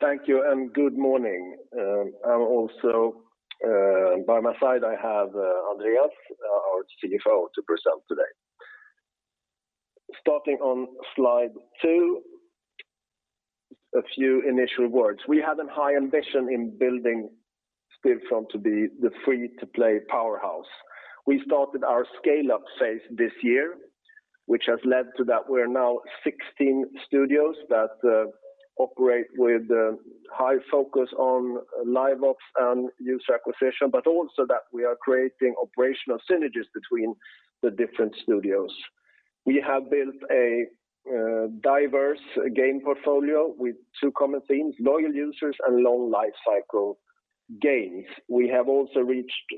Thank you. Good morning. Also by my side, I have Andreas, our CFO, to present today. Starting on slide two, a few initial words. We had a high ambition in building Stillfront to be the free-to-play powerhouse. We started our scale-up phase this year, which has led to that we're now 16 studios that operate with high focus on live ops and user acquisition, also that we are creating operational synergies between the different studios. We have built a diverse game portfolio with two common themes, loyal users and long lifecycle games. We have also reached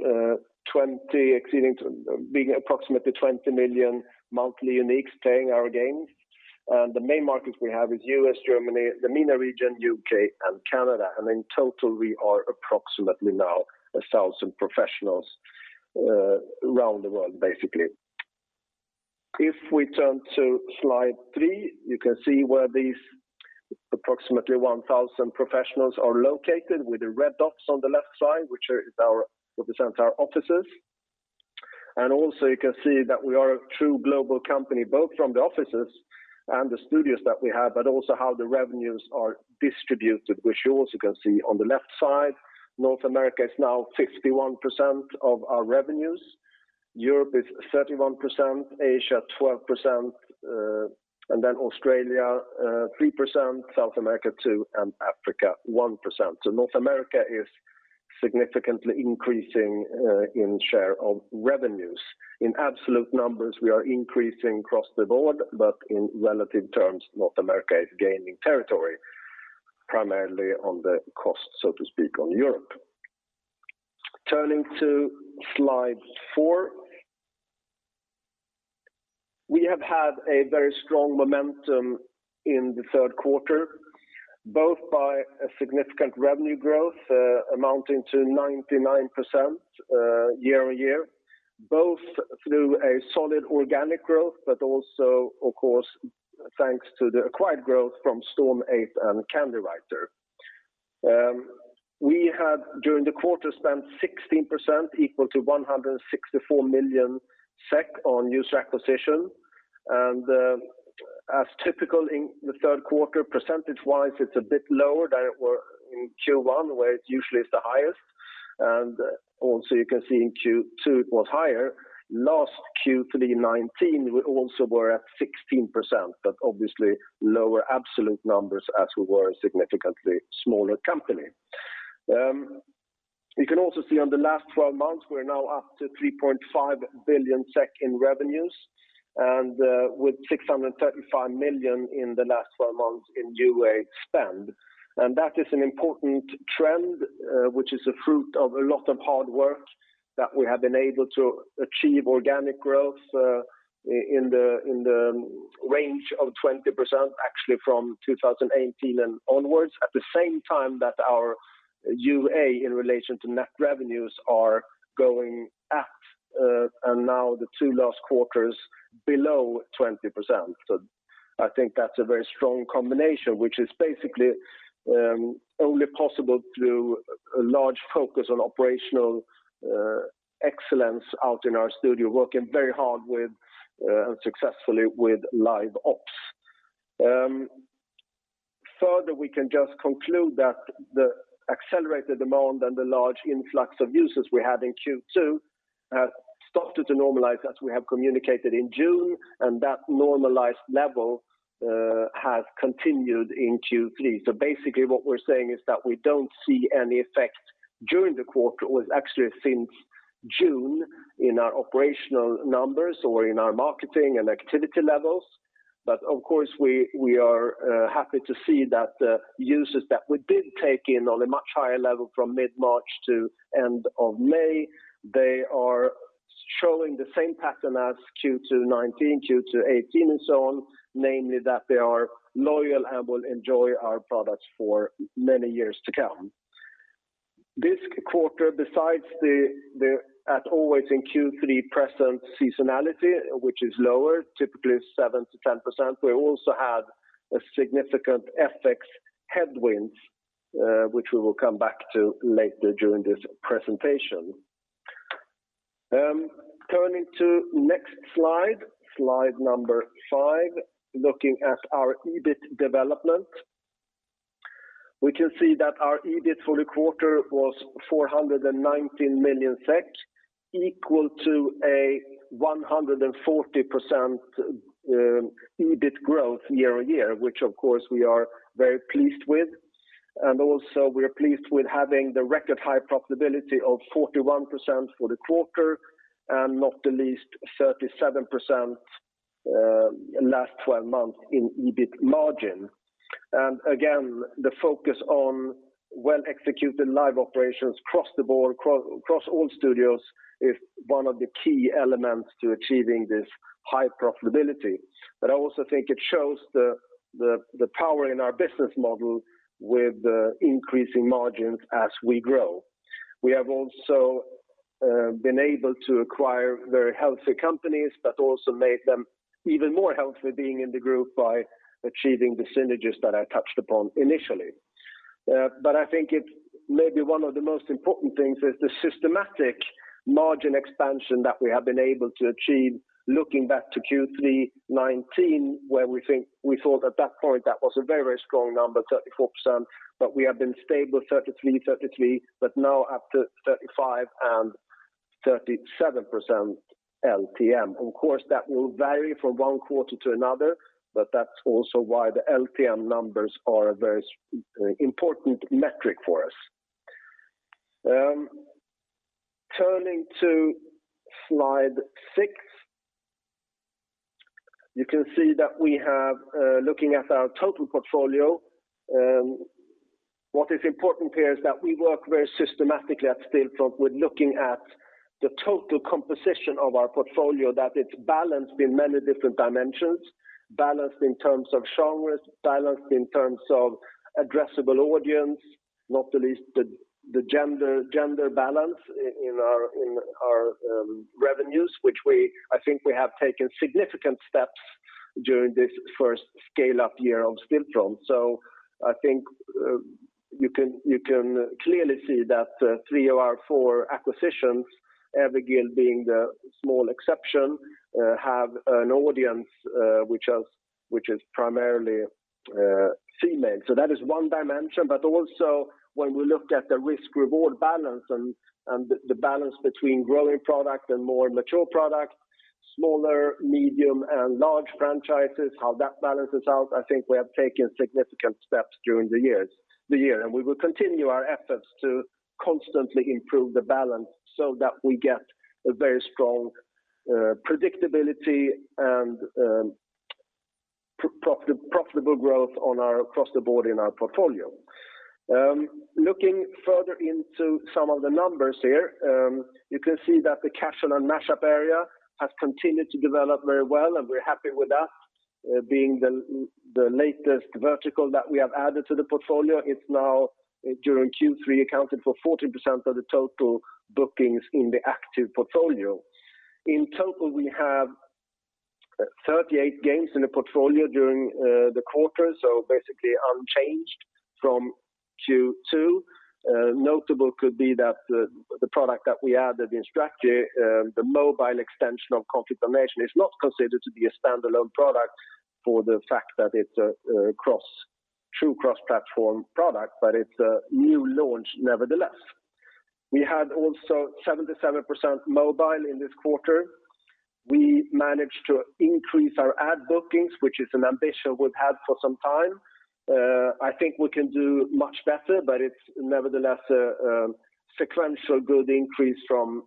approximately 20 million monthly unique playing our games. The main markets we have is U.S., Germany, the MENA region, U.K., and Canada. In total, we are approximately now 1,000 professionals around the world, basically. If we turn to slide three, you can see where these approximately 1,000 professionals are located with the red dots on the left side, which represents our offices. Also you can see that we are a true global company, both from the offices and the studios that we have, but also how the revenues are distributed, which you also can see on the left side. North America is now 51% of our revenues. Europe is 31%, Asia 12%, Australia 3%, South America 2%, and Africa 1%. North America is significantly increasing in share of revenues. In absolute numbers, we are increasing across the board, but in relative terms, North America is gaining territory, primarily on the cost, so to speak, on Europe. Turning to slide four. We have had a very strong momentum in the third quarter, both by a significant revenue growth amounting to 99% year-on-year, both through a solid organic growth, but also, of course, thanks to the acquired growth from Storm8 and Candywriter. We have, during the quarter, spent 16%, equal to 164 million SEK on user acquisition. As typical in the third quarter, percentage-wise, it's a bit lower than it were in Q1, where it usually is the highest. Also you can see in Q2 it was higher. Last Q3 2019, we also were at 16%, obviously lower absolute numbers as we were a significantly smaller company. You can also see on the last 12 months, we're now up to 3.5 billion SEK in revenues and with 635 million in the last 12 months in UA spend. That is an important trend which is a fruit of a lot of hard work that we have been able to achieve organic growth in the range of 20%, actually from 2018 and onwards. At the same time that our UA in relation to net revenues are going at, and now the two last quarters below 20%. I think that's a very strong combination, which is basically only possible through a large focus on operational excellence out in our studio, working very hard and successfully with live ops. We can just conclude that the accelerated demand and the large influx of users we had in Q2 has started to normalize as we have communicated in June, and that normalized level has continued in Q3. Basically what we're saying is that we don't see any effect during the quarter, or actually since June in our operational numbers or in our marketing and activity levels. Of course, we are happy to see that users that we did take in on a much higher level from mid-March to end of May, they are showing the same pattern as Q2-2019, Q2-2018, and so on, namely that they are loyal and will enjoy our products for many years to come. This quarter, besides the, as always in Q3, present seasonality, which is lower, typically 7%-10%, we also had a significant FX headwind, which we will come back to later during this presentation. Turning to next slide, slide number five, looking at our EBIT development. We can see that our EBIT for the quarter was 419 million SEK, equal to a 140% EBIT growth year-on-year, which of course we are very pleased with. Also we are pleased with having the record high profitability of 41% for the quarter and not the least 37% last 12 months in EBIT margin. Again, the focus on well-executed live operations across the board, across all studios is one of the key elements to achieving this high profitability. I also think it shows the power in our business model with increasing margins as we grow. We have also been able to acquire very healthy companies, but also made them even more healthy being in the group by achieving the synergies that I touched upon initially. I think it may be one of the most important things is the systematic margin expansion that we have been able to achieve looking back to Q3 2019, where we thought at that point that was a very strong number, 34%, but we have been stable 33%, but now up to 35% and 37% LTM. Of course, that will vary from one quarter to another, but that's also why the LTM numbers are a very important metric for us. Turning to slide six, you can see that we have, looking at our total portfolio, what is important here is that we work very systematically at Stillfront with looking at the total composition of our portfolio, that it's balanced in many different dimensions, balanced in terms of genres, balanced in terms of addressable audience, not the least the gender balance in our revenues, which I think we have taken significant steps during this first scale-up year of Stillfront. I think you can clearly see that three of our four acquisitions, Everguild being the small exception, have an audience which is primarily female. That is one dimension, but also when we look at the risk/reward balance and the balance between growing product and more mature product, smaller, medium, and large franchises, how that balances out, I think we have taken significant steps during the year. We will continue our efforts to constantly improve the balance so that we get a very strong predictability and profitable growth across the board in our portfolio. Looking further into some of the numbers here, you can see that the Casual and Match-Up area has continued to develop very well, and we're happy with that, being the latest vertical that we have added to the portfolio. It's now during Q3 accounted for 14% of the total bookings in the active portfolio. In total, we have 38 games in the portfolio during the quarter, so basically unchanged from Q2. Notable could be that the product that we added in Strategy, the mobile extension of Conflict of Nations, is not considered to be a standalone product for the fact that it's a true cross-platform product, but it's a new launch nevertheless. We had also 77% mobile in this quarter. We managed to increase our ad bookings, which is an ambition we've had for some time. I think we can do much better, but it's nevertheless a sequential good increase from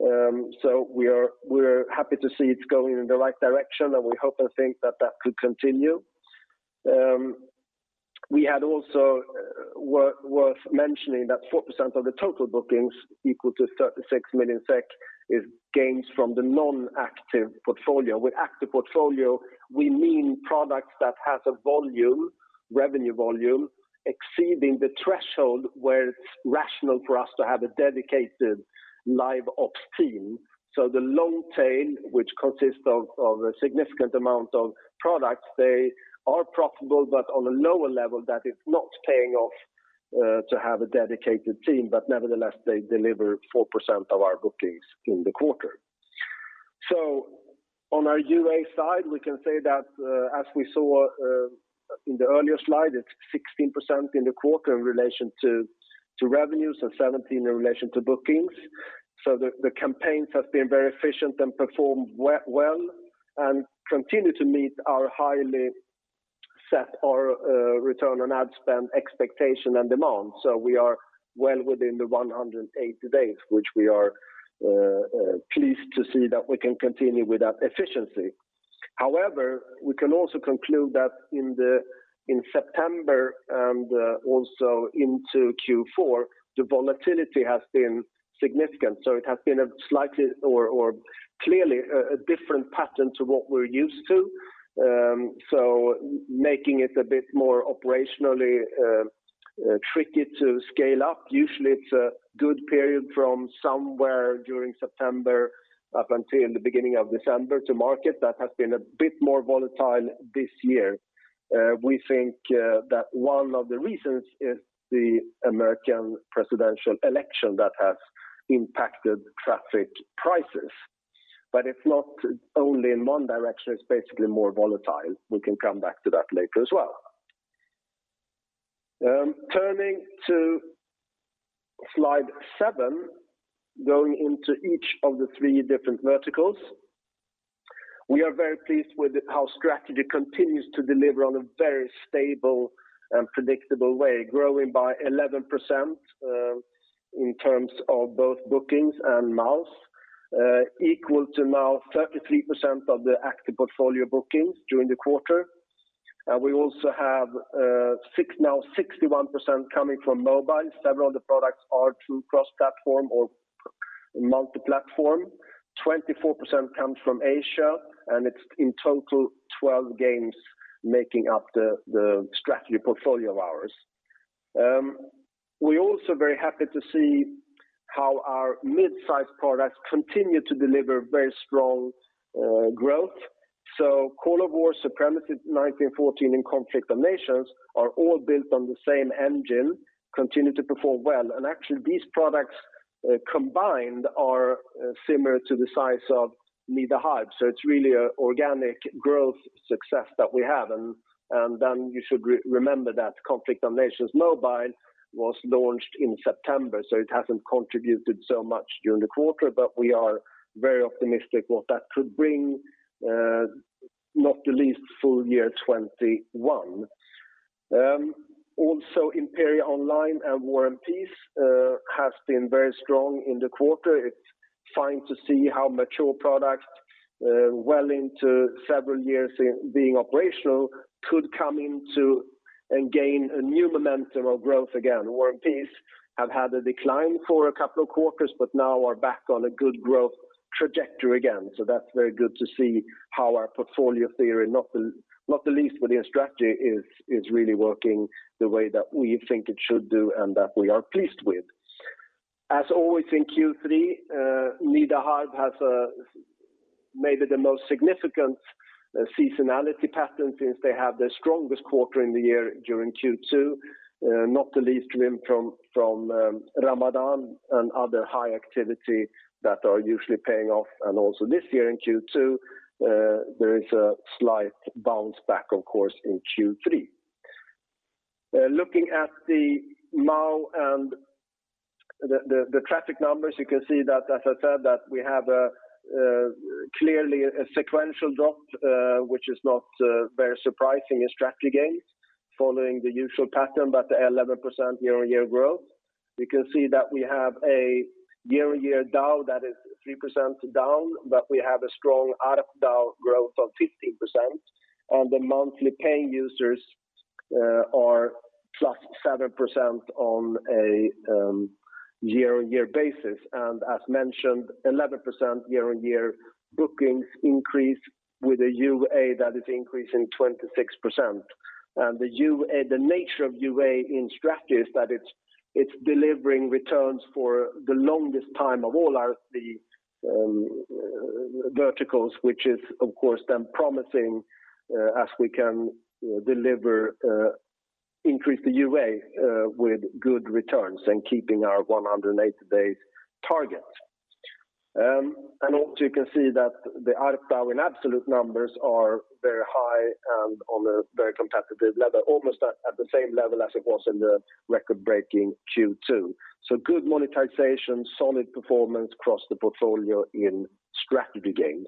5%-7%. We're happy to see it's going in the right direction, and we hope and think that that could continue. We had also worth mentioning that 4% of the total bookings equal to 36 million SEK is gains from the non-active portfolio. With active portfolio, we mean products that have a revenue volume exceeding the threshold where it's rational for us to have a dedicated live ops team. The long tail, which consists of a significant amount of products, they are profitable, but on a lower level that is not paying off to have a dedicated team. Nevertheless, they deliver 4% of our bookings in the quarter. On our UA side, we can say that as we saw in the earlier slide, it's 16% in the quarter in relation to revenues and 17% in relation to bookings. The campaigns have been very efficient and performed well and continue to meet our highly set ROI, return on ad spend expectation and demand. We are well within the 180 days, which we are pleased to see that we can continue with that efficiency. However, we can also conclude that in September and also into Q4, the volatility has been significant. It has been a slightly or clearly a different pattern to what we're used to, making it a bit more operationally tricky to scale up. Usually, it's a good period from somewhere during September up until the beginning of December to market. That has been a bit more volatile this year. We think that one of the reasons is the American presidential election that has impacted traffic prices. It's not only in one direction, it's basically more volatile. We can come back to that later as well. Turning to slide seven, going into each of the three different verticals. We are very pleased with how Strategy continues to deliver on a very stable and predictable way, growing by 11% in terms of both bookings and MAUs, equal to now 33% of the active portfolio bookings during the quarter. We also have now 61% coming from mobile. Several of the products are true cross-platform or multi-platform, 24% comes from Asia, and it's in total 12 games making up the strategy portfolio of ours. We're also very happy to see how our mid-size products continue to deliver very strong growth. Call of War," "Supremacy 1914," and "Conflict of Nations" are all built on the same engine, continue to perform well. Actually, these products combined are similar to the size of "Nida Harb." It's really organic growth success that we have. You should remember that "Conflict of Nations Mobile" was launched in September, so it hasn't contributed so much during the quarter, but we are very optimistic what that could bring, not the least full year 2021. "Imperia Online" and "War and Peace" have been very strong in the quarter. It's fine to see how mature products, well into several years being operational, could come into and gain a new momentum of growth again. "War and Peace" have had a decline for a couple of quarters, but now are back on a good growth trajectory again. That's very good to see how our portfolio theory, not the least with the strategy, is really working the way that we think it should do and that we are pleased with. As always in Q3, "Nida Harb" has made it the most significant seasonality pattern since they had their strongest quarter in the year during Q2, not the least from Ramadan and other high activity that are usually paying off, and also this year in Q2 there is a slight bounce back, of course, in Q3. Looking at the MAU and the traffic numbers, you can see that as I said, that we have clearly a sequential drop, which is not very surprising in strategy games following the usual pattern, but 11% year-on-year growth. You can see that we have a year-on-year DAU that is 3% down, but we have a strong ARPDAU growth of 15%, and the monthly paying users are +7% on a year-on-year basis, and as mentioned, 11% year-on-year bookings increase with a UA that is increasing 26%. The nature of UA in strategy is that it's delivering returns for the longest time of all the verticals, which is of course then promising as we can increase the UA with good returns and keeping our 180-days target. Also you can see that the ARPDAU in absolute numbers are very high and on a very competitive level, almost at the same level as it was in the record-breaking Q2. Good monetization, solid performance across the portfolio in strategy games.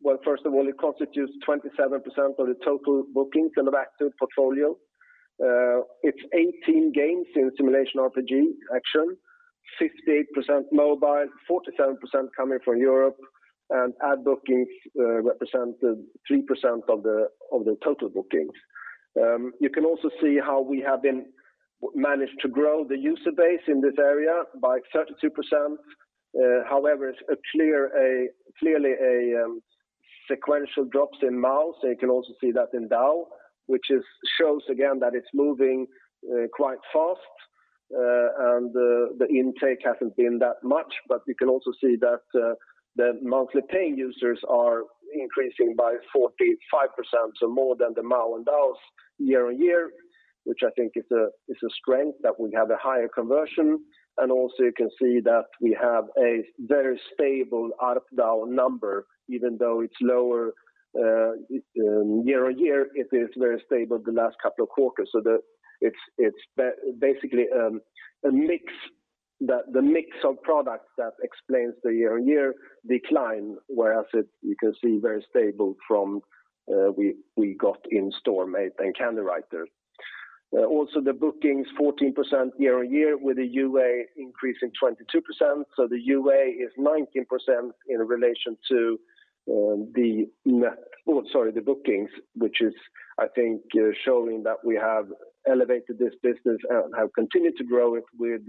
Well, first of all, it constitutes 27% of the total bookings and of active portfolio. It is 18 games in Simulation RPG Action, 58% mobile, 47% coming from Europe. Ad bookings represent 3% of the total bookings. You can also see how we have managed to grow the user base in this area by 32%. However, clearly a sequential drops in MAUs. You can also see that in DAU, which shows again that it is moving quite fast and the intake hasn't been that much. You can also see that the monthly paying users are increasing by 45%, so more than the MAU and DAUs year-on-year, which I think is a strength that we have a higher conversion. Also, you can see that we have a very stable ARPDAU number, even though it's lower year-on-year, it is very stable the last couple of quarters. It's basically the mix of products that explains the year-on-year decline, whereas you can see very stable from we got in Storm8 and Candywriter. The bookings 14% year-on-year with the UA increase in 22%. The UA is 19% in relation to the bookings, which is I think showing that we have elevated this business and have continued to grow it with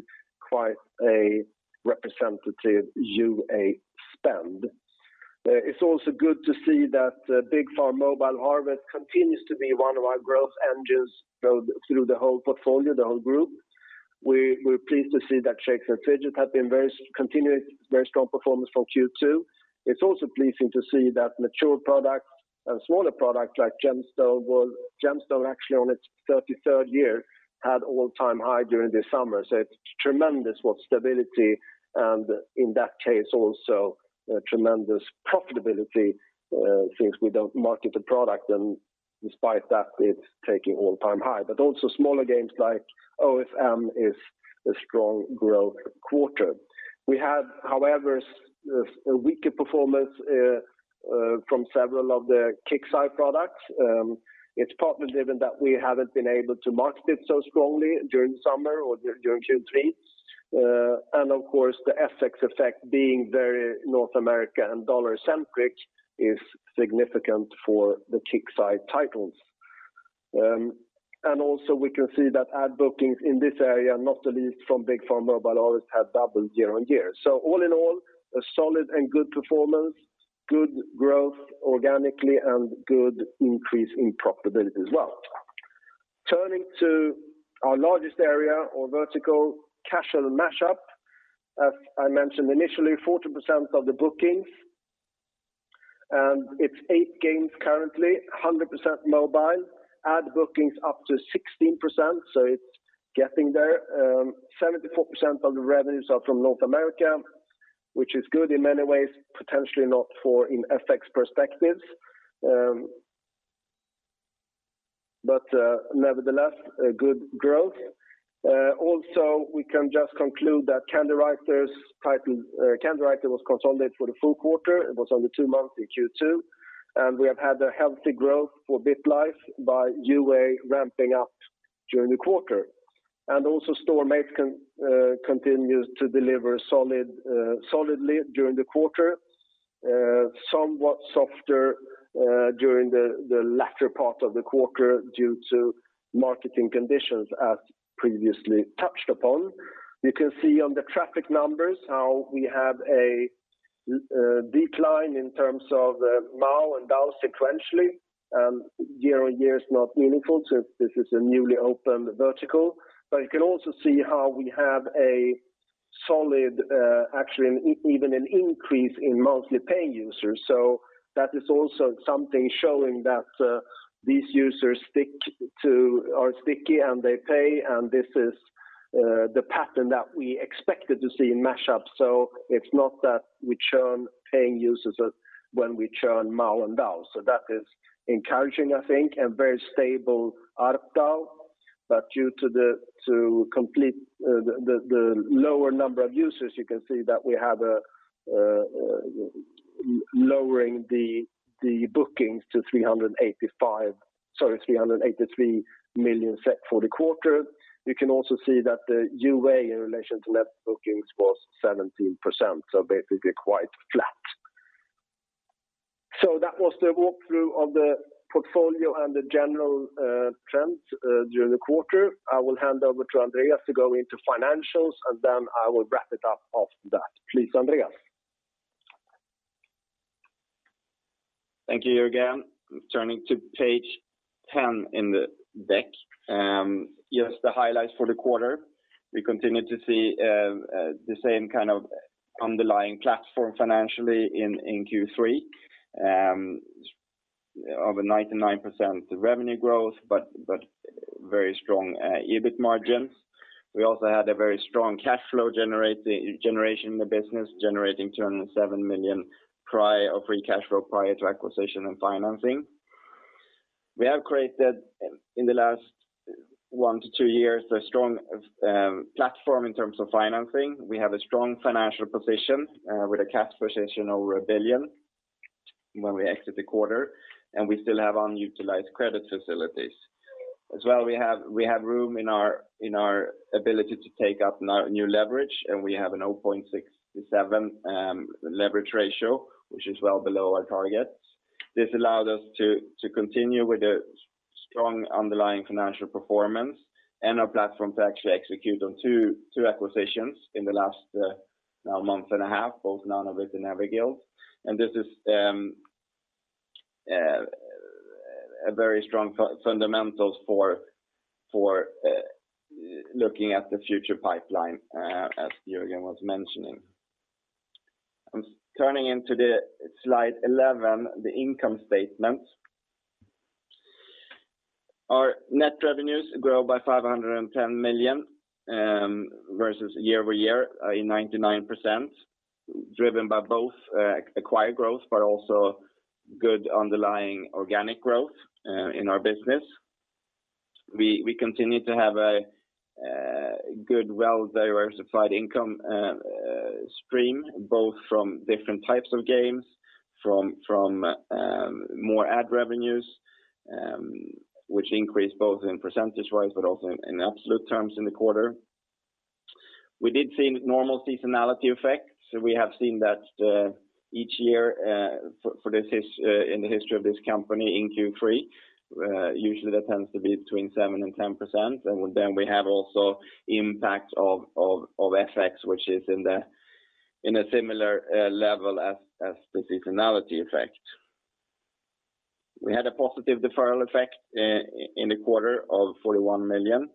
quite a representative UA spend. It's also good to see that Big Farm: Mobile Harvest continues to be one of our growth engines through the whole portfolio, the whole group. We're pleased to see that Shakes & Fidget have continued very strong performance from Q2. It's also pleasing to see that mature products and smaller products like GemStone IV, actually on its 33rd year, had all-time high during this summer. It's tremendous what stability and in that case also tremendous profitability, since we don't market the product and despite that it's taking all-time high. Also smaller games like OFM is a strong growth quarter. We have, however, a weaker performance from several of the KIXEYE products. It's partly given that we haven't been able to market it so strongly during summer or during Q3. The FX effect being very North America and dollar-centric is significant for the KIXEYE titles. Also we can see that ad bookings in this area, not the least from Big Farm: Mobile Harvest always have doubled year-on-year. All in all, a solid and good performance, good growth organically and good increase in profitability as well. Turning to our largest area or vertical, Casual and Match-Up, as I mentioned initially, 40% of the bookings. It is eight games currently, 100% mobile, ad bookings up to 16%. It is getting there. 74% of the revenues are from North America, which is good in many ways, potentially not for in FX perspectives. Nevertheless, a good growth. Also, we can just conclude that Candywriters title, Candywriter was consolidated for the full quarter. It was only two months in Q2. We have had a healthy growth for BitLife by UA ramping up during the quarter. Also, Storm8 continues to deliver solidly during the quarter, somewhat softer during the latter part of the quarter due to marketing conditions as previously touched upon. You can see on the traffic numbers how we have a decline in terms of MAU and DAU sequentially, and year-on-year is not meaningful since this is a newly opened vertical. You can also see how we have a solid, actually even an increase in monthly paying users. That is also something showing that these users are sticky and they pay, and this is the pattern that we expected to see in Match-Up. It's not that we churn paying users when we churn MAU and DAU. That is encouraging, I think, and very stable ARPDAU. Due to the lower number of users, you can see that we have a lowering the bookings to 383 million SEK for the quarter. You can also see that the UA in relation to net bookings was 17%. Basically quite flat. That was the walkthrough of the portfolio and the general trends during the quarter. I will hand over to Andreas to go into financials, and then I will wrap it up after that. Please, Andreas. Thank you, Jörgen. Turning to page 10 in the deck, just the highlights for the quarter. We continue to see the same kind of underlying platform financially in Q3 of a 99% revenue growth, but very strong EBIT margins. We also had a very strong cash flow generation in the business, generating 207 million of free cash flow prior to acquisition and financing. We have created, in the last one to two years, a strong platform in terms of financing. We have a strong financial position with a cash position over 1 billion when we exit the quarter, and we still have unutilized credit facilities. As well, we have room in our ability to take up new leverage, and we have an 0.67 leverage ratio, which is well below our targets. This allowed us to continue with a strong underlying financial performance and our platform to actually execute on two acquisitions in the last month and a half, both Nanobit and Everguild. This is a very strong fundamental for looking at the future pipeline, as Jörgen was mentioning. I am turning into the slide 11, the income statement. Our net revenues grow by 510 million, versus year-over-year in 99%, driven by both acquired growth, but also good underlying organic growth in our business. We continue to have a good, well-diversified income stream, both from different types of games, from more ad revenues, which increased both in percentage-wise but also in absolute terms in the quarter. We did see normal seasonality effects. We have seen that each year in the history of this company in Q3, usually that tends to be between 7% and 10%, and then we have also impact of FX, which is in a similar level as the seasonality effect. We had a positive deferral effect in the quarter of 41 million.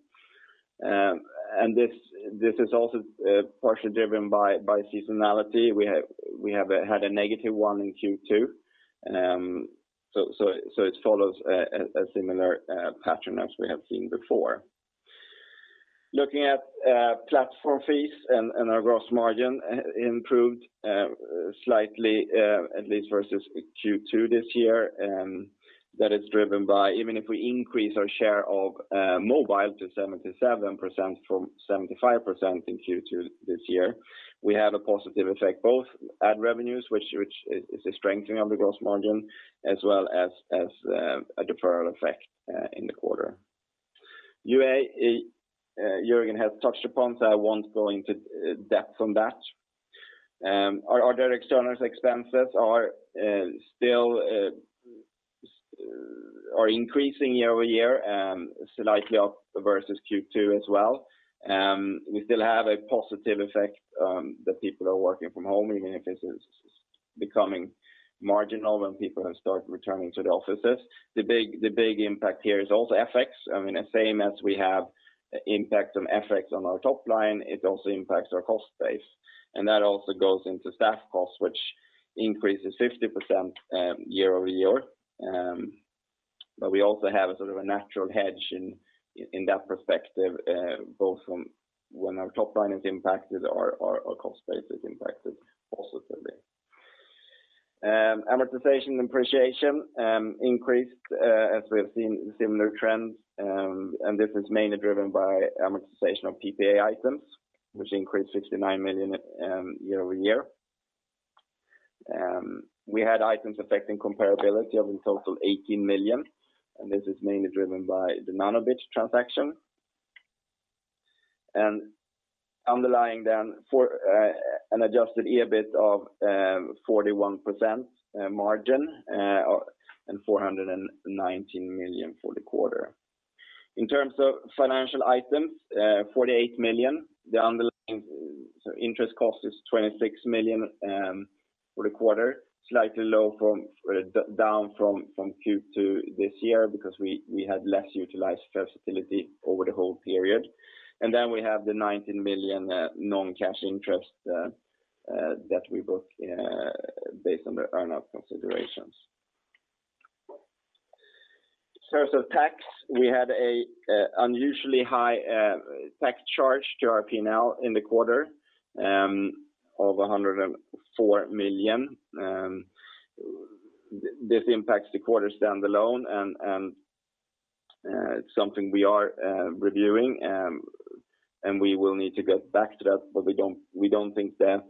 This is also partially driven by seasonality. We had a -1 in Q2. It follows a similar pattern as we have seen before. Looking at platform fees and our gross margin improved slightly, at least versus Q2 this year. That is driven by, even if we increase our share of mobile to 77% from 75% in Q2 this year, we have a positive effect, both ad revenues, which is a strengthening of the gross margin, as well as a deferral effect in the quarter, UA, Jörgen has touched upon, so I won't go into depth on that. Our other externals expenses are increasing year-over-year, slightly up versus Q2 as well. We still have a positive effect that people are working from home, even if it's becoming marginal when people have started returning to the offices. The big impact here is also FX. Same as we have impact on FX on our top line, it also impacts our cost base. That also goes into staff costs, which increases 50% year-over-year. We also have a natural hedge in that perspective, both from when our top line is impacted, our cost base is impacted positively. Amortization and appreciation increased as we have seen similar trends. This is mainly driven by amortization of PPA items, which increased 69 million year-over-year. We had items affecting comparability of a total 18 million, and this is mainly driven by the Nanobit transaction. Underlying down for an adjusted EBIT of 41% margin, and 419 million for the quarter. In terms of financial items, 48 million. The underlying interest cost is 26 million for the quarter, slightly down from Q2 this year because we had less utilized facility over the whole period. We have the 19 million non-cash interest that we book based on the earn-out considerations. In terms of tax, we had an unusually high tax charge to RP now in the quarter of 104 million. This impacts the quarter stand-alone and it's something we are reviewing. We will need to get back to that, but we don't think that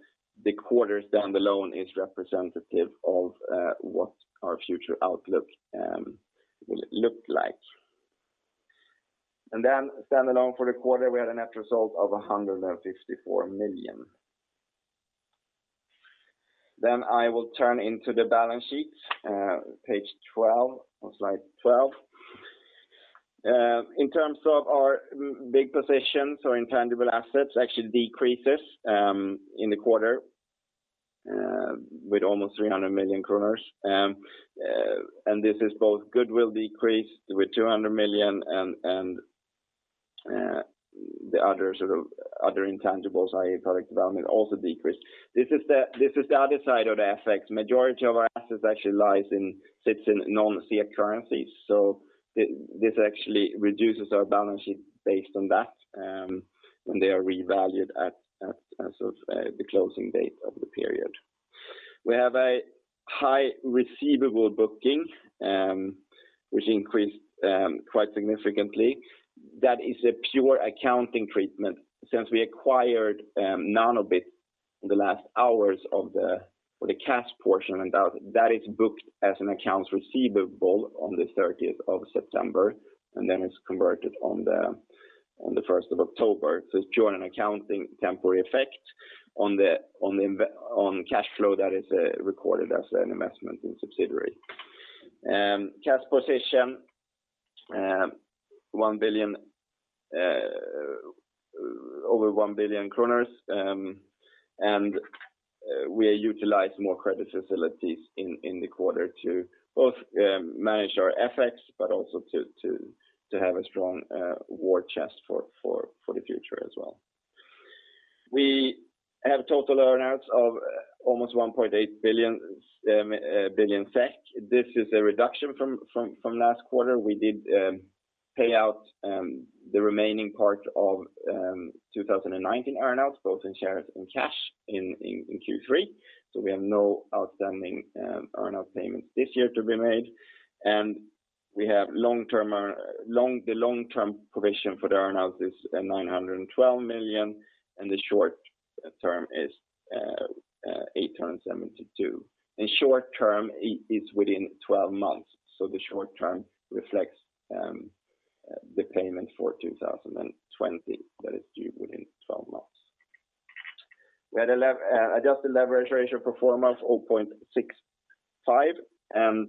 the quarter stand-alone is representative of what our future outlook will look like. Stand-alone for the quarter, we had a net result of SEK 154 million. I will turn into the balance sheet. Page 12 or slide 12. In terms of our big positions or intangible assets, actually decreases in the quarter with almost 300 million kronor. This is both goodwill decreased with 200 million and the other intangibles, i.e. product development, also decreased. This is the other side of the FX. Majority of our assets actually sits in non-SEK currencies. This actually reduces our balance sheet based on that, when they are revalued at the closing date of the period. We have a high receivable booking, which increased quite significantly. That is a pure accounting treatment since we acquired Nanobit in the last hours for the cash portion of that. That is booked as an accounts receivable on the 30th of September, and then it's converted on the 1st of October. It's showing an accounting temporary effect on cash flow that is recorded as an investment in subsidiary. Cash position, over SEK 1 billion and we utilize more credit facilities in the quarter to both manage our FX, but also to have a strong war chest for the future as well. We have total earn-outs of almost 1.8 billion SEK. This is a reduction from last quarter. We did pay out the remaining part of 2019 earn-outs, both in shares and cash in Q3. We have no outstanding earn-out payments this year to be made. We have the long-term provision for the earn-out is 912 million, and the short term is 872. Short term is within 12 months, the short term reflects the payment for 2020 that is due within 12 months. We had adjusted leverage ratio for four months, 0.65, and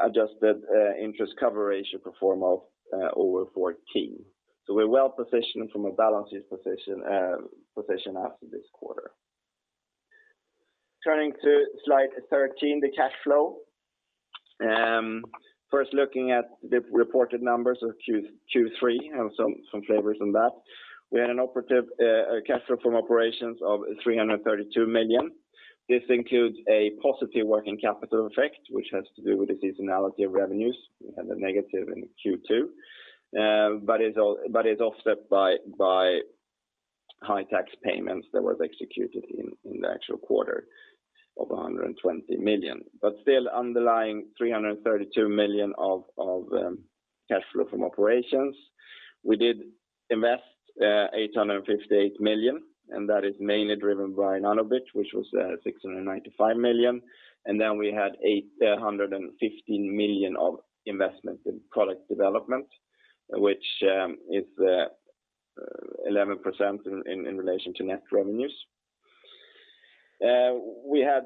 adjusted interest cover ratio pro forma of over 14. We're well-positioned from a balance sheet position after this quarter. Turning to slide 13, the cash flow. First looking at the reported numbers of Q3 and some flavors on that. We had a cash flow from operations of 332 million. This includes a positive working capital effect, which has to do with the seasonality of revenues. We had a negative in Q2. It's offset by high tax payments that was executed in the actual quarter of 120 million. Still underlying 332 million of cash flow from operations. We did invest 858 million. That is mainly driven by Nanobit, which was 695 million. Then we had 815 million of investment in product development, which is 11% in relation to net revenues. We had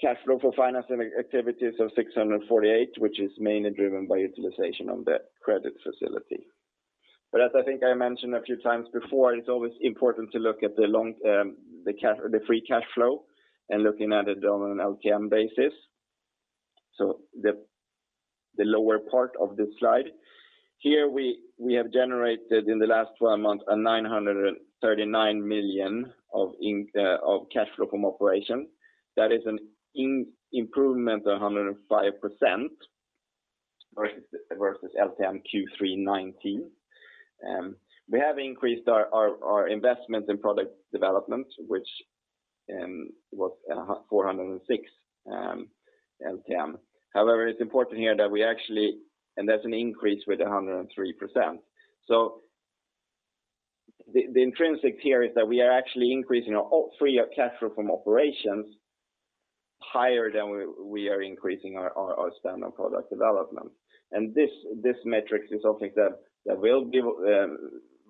cash flow for financing activities of 648 million, which is mainly driven by utilization of the credit facility. As I think I mentioned a few times before, it's always important to look at the free cash flow and looking at it on an LTM basis, so the lower part of this slide. Here, we have generated in the last 12 months 939 million of cash flow from operation. That is an improvement of 105% versus LTM Q3 2019. We have increased our investments in product development, which was 406 LTM. It's important here that that's an increase with 103%. The intrinsic here is that we are actually increasing our free cash flow from operations higher than we are increasing our spend on product development. This metric is something that will be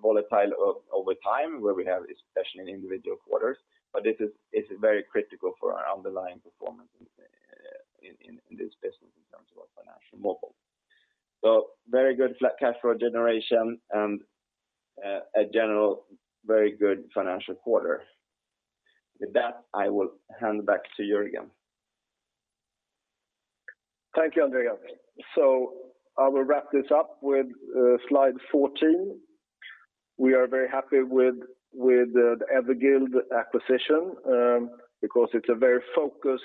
volatile over time, where we have especially in individual quarters, it is very critical for our underlying performance in this business in terms of our financial model. Very good cash flow generation and a general very good financial quarter. With that, I will hand back to Jörgen. Thank you, Andreas. I will wrap this up with slide 14. We are very happy with the Everguild acquisition, because it's a very focused,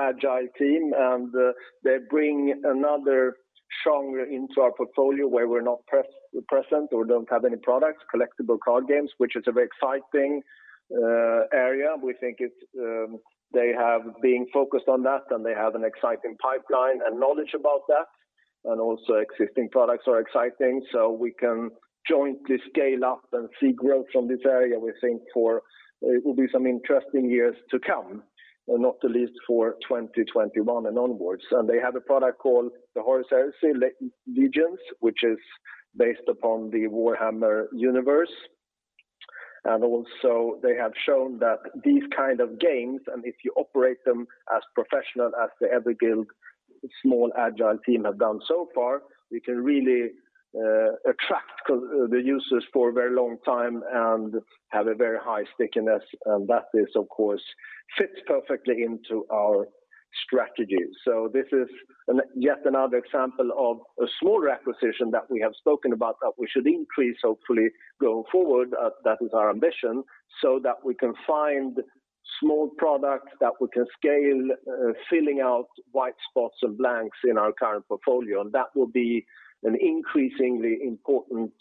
agile team, and they bring another genre into our portfolio where we're not present or don't have any products, collectible card games, which is a very exciting area. We think they have been focused on that, and they have an exciting pipeline and knowledge about that, and also existing products are exciting. We can jointly scale up and see growth from this area, we think it will be some interesting years to come, and not the least for 2021 and onwards. They have a product called The Horus Heresy: Legions, which is based upon the Warhammer universe. Also they have shown that these kind of games, if you operate them as professional as the Everguild small agile team have done so far, we can really attract the users for a very long time and have a very high stickiness, that of course fits perfectly into our strategy. This is yet another example of a smaller acquisition that we have spoken about that we should increase hopefully going forward. That is our ambition, that we can find small products that we can scale, filling out white spots and blanks in our current portfolio, that will be an increasingly important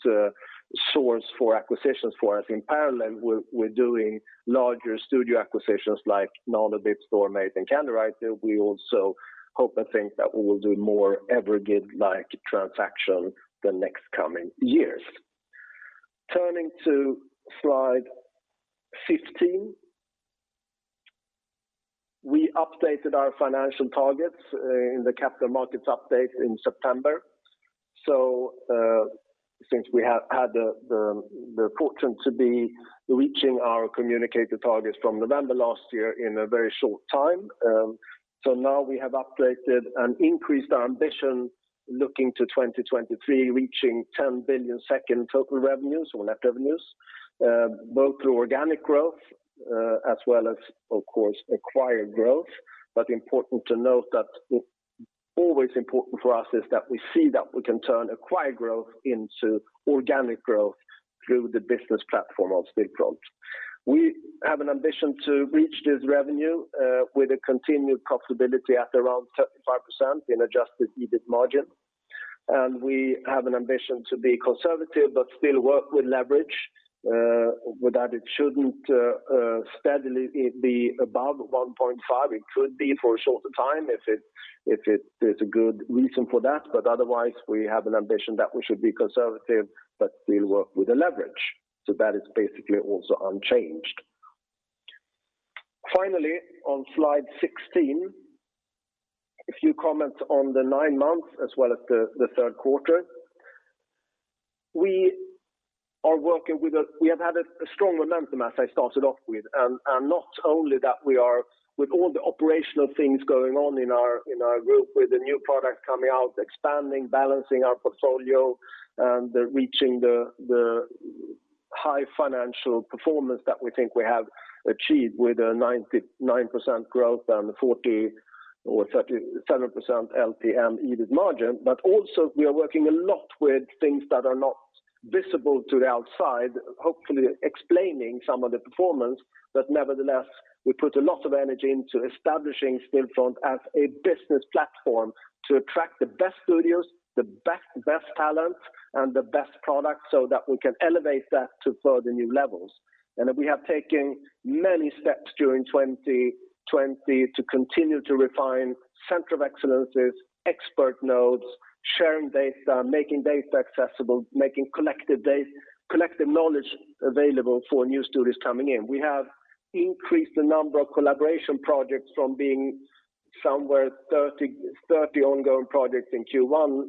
source for acquisitions for us. In parallel, we're doing larger studio acquisitions like Nanobit, Storm8, and Candywriter. We also hope and think that we will do more Everguild-like transactions the next coming years. Turning to slide 15. We updated our financial targets in the capital markets update in September. Since we have had the fortune to be reaching our communicated targets from November last year in a very short time. Now we have updated and increased our ambition looking to 2023, reaching 10 billion total revenues or net revenues, both through organic growth as well as, of course, acquired growth. Important to note that always important for us is that we see that we can turn acquired growth into organic growth through the business platform of Stillfront. We have an ambition to reach this revenue with a continued profitability at around 35% in adjusted EBIT margin. We have an ambition to be conservative but still work with leverage. With that, it shouldn't steadily be above 1.5. It could be for a shorter time if there's a good reason for that. Otherwise, we have an ambition that we should be conservative, but still work with the leverage. That is basically also unchanged. Finally, on slide 16, a few comments on the nine months as well as the third quarter. We have had a strong momentum as I started off with, and not only that, we are with all the operational things going on in our group with the new product coming out, expanding, balancing our portfolio, and reaching the high financial performance that we think we have achieved with a 99% growth and 40% or 37% LTM EBIT margin. Also we are working a lot with things that are not visible to the outside, hopefully explaining some of the performance, but nevertheless, we put a lot of energy into establishing Stillfront as a business platform to attract the best studios, the best talent, and the best products so that we can elevate that to further new levels. We have taken many steps during 2020 to continue to refine center of excellences, expert nodes, sharing data, making data accessible, making collective knowledge available for new studios coming in. We have increased the number of collaboration projects from being somewhere 30 ongoing projects in Q1.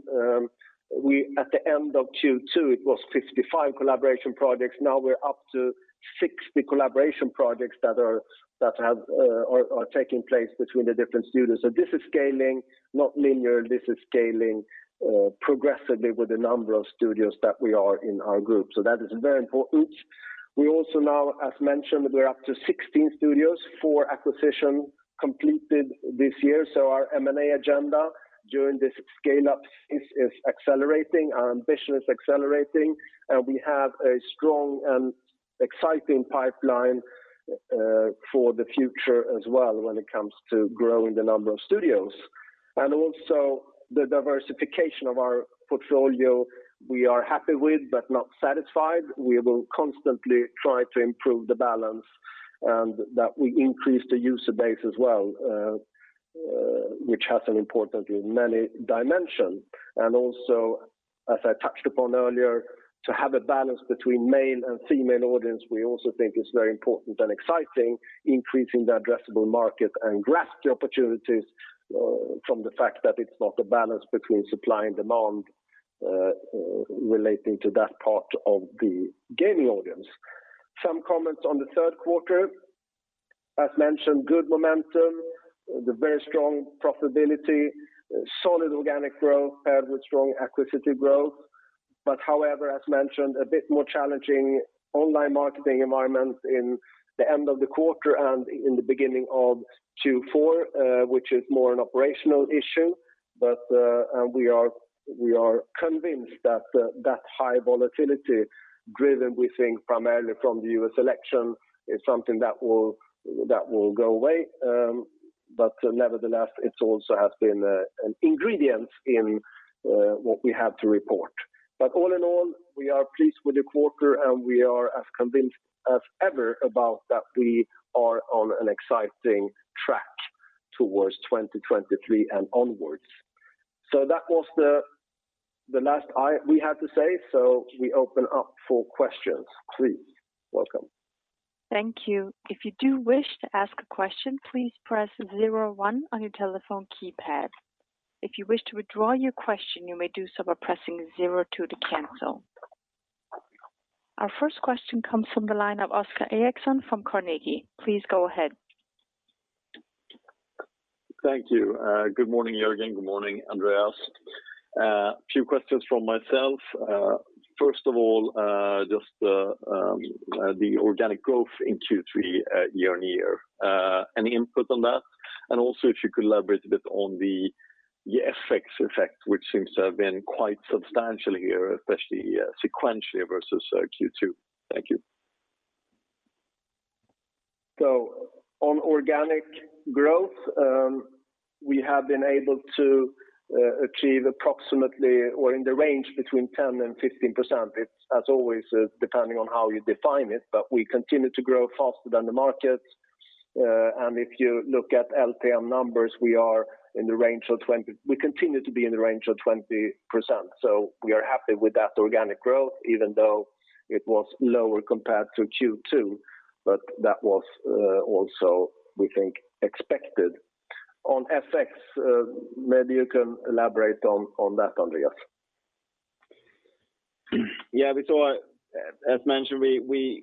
At the end of Q2, it was 55 collaboration projects. Now we're up to 60 collaboration projects that are taking place between the different studios. This is scaling not linear, this is scaling progressively with the number of studios that we are in our group. That is very important. We also now, as mentioned, we're up to 16 studios for acquisition completed this year. Our M&A agenda during this scale-up phase is accelerating, our ambition is accelerating, and we have a strong and exciting pipeline for the future as well when it comes to growing the number of studios. Also the diversification of our portfolio we are happy with, but not satisfied. We will constantly try to improve the balance and that we increase the user base as well, which has an importance in many dimensions. Also, as I touched upon earlier, to have a balance between male and female audience, we also think is very important and exciting, increasing the addressable market and grasp the opportunities from the fact that it's not a balance between supply and demand relating to that part of the gaming audience. Some comments on the third quarter. As mentioned, good momentum, the very strong profitability, solid organic growth paired with strong acquisitive growth. However, as mentioned, a bit more challenging online marketing environment in the end of the quarter and in the beginning of Q4, which is more an operational issue. We are convinced that high volatility driven, we think primarily from the U.S. election, is something that will go away. Nevertheless, it also has been an ingredient in what we have to report. All in all, we are pleased with the quarter and we are as convinced as ever about that we are on an exciting track towards 2023 and onwards. That was the last we had to say. We open up for questions, please. Welcome. Thank you. If you do wish to ask a question, please press 01 on your telephone keypad. If you wish to withdraw your question, you may do so by pressing 02 to cancel. Our first question comes from the line of Oscar Erixon from Carnegie. Please go ahead. Thank you. Good morning, Jörgen. Good morning, Andreas. Few questions from myself. First of all, just the organic growth in Q3 year-on-year. Any input on that? Also if you could elaborate a bit on the FX effect, which seems to have been quite substantial here, especially sequentially versus Q2. Thank you. On organic growth, we have been able to achieve approximately or in the range between 10% and 15%. It's as always depending on how you define it, but we continue to grow faster than the market. If you look at LTM numbers, we continue to be in the range of 20%. We are happy with that organic growth, even though it was lower compared to Q2, but that was also, we think, expected. On FX, maybe you can elaborate on that, Andreas. Yeah. As mentioned, we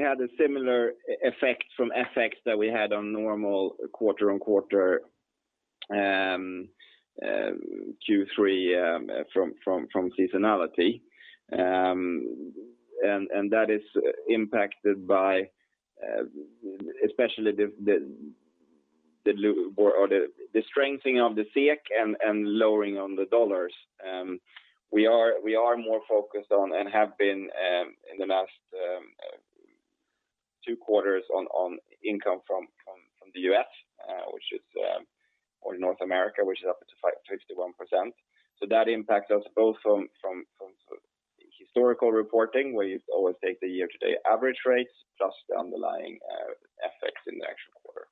had a similar effect from FX that we had on normal quarter-on-quarter Q3 from seasonality. That is impacted by especially the strengthening of the SEK and lowering on the dollars. We are more focused on and have been in the last two quarters on income from the U.S. or North America, which is up to 51%. That impacts us both from historical reporting where you always take the year-to-date average rates, plus the underlying FX in the actual quarter.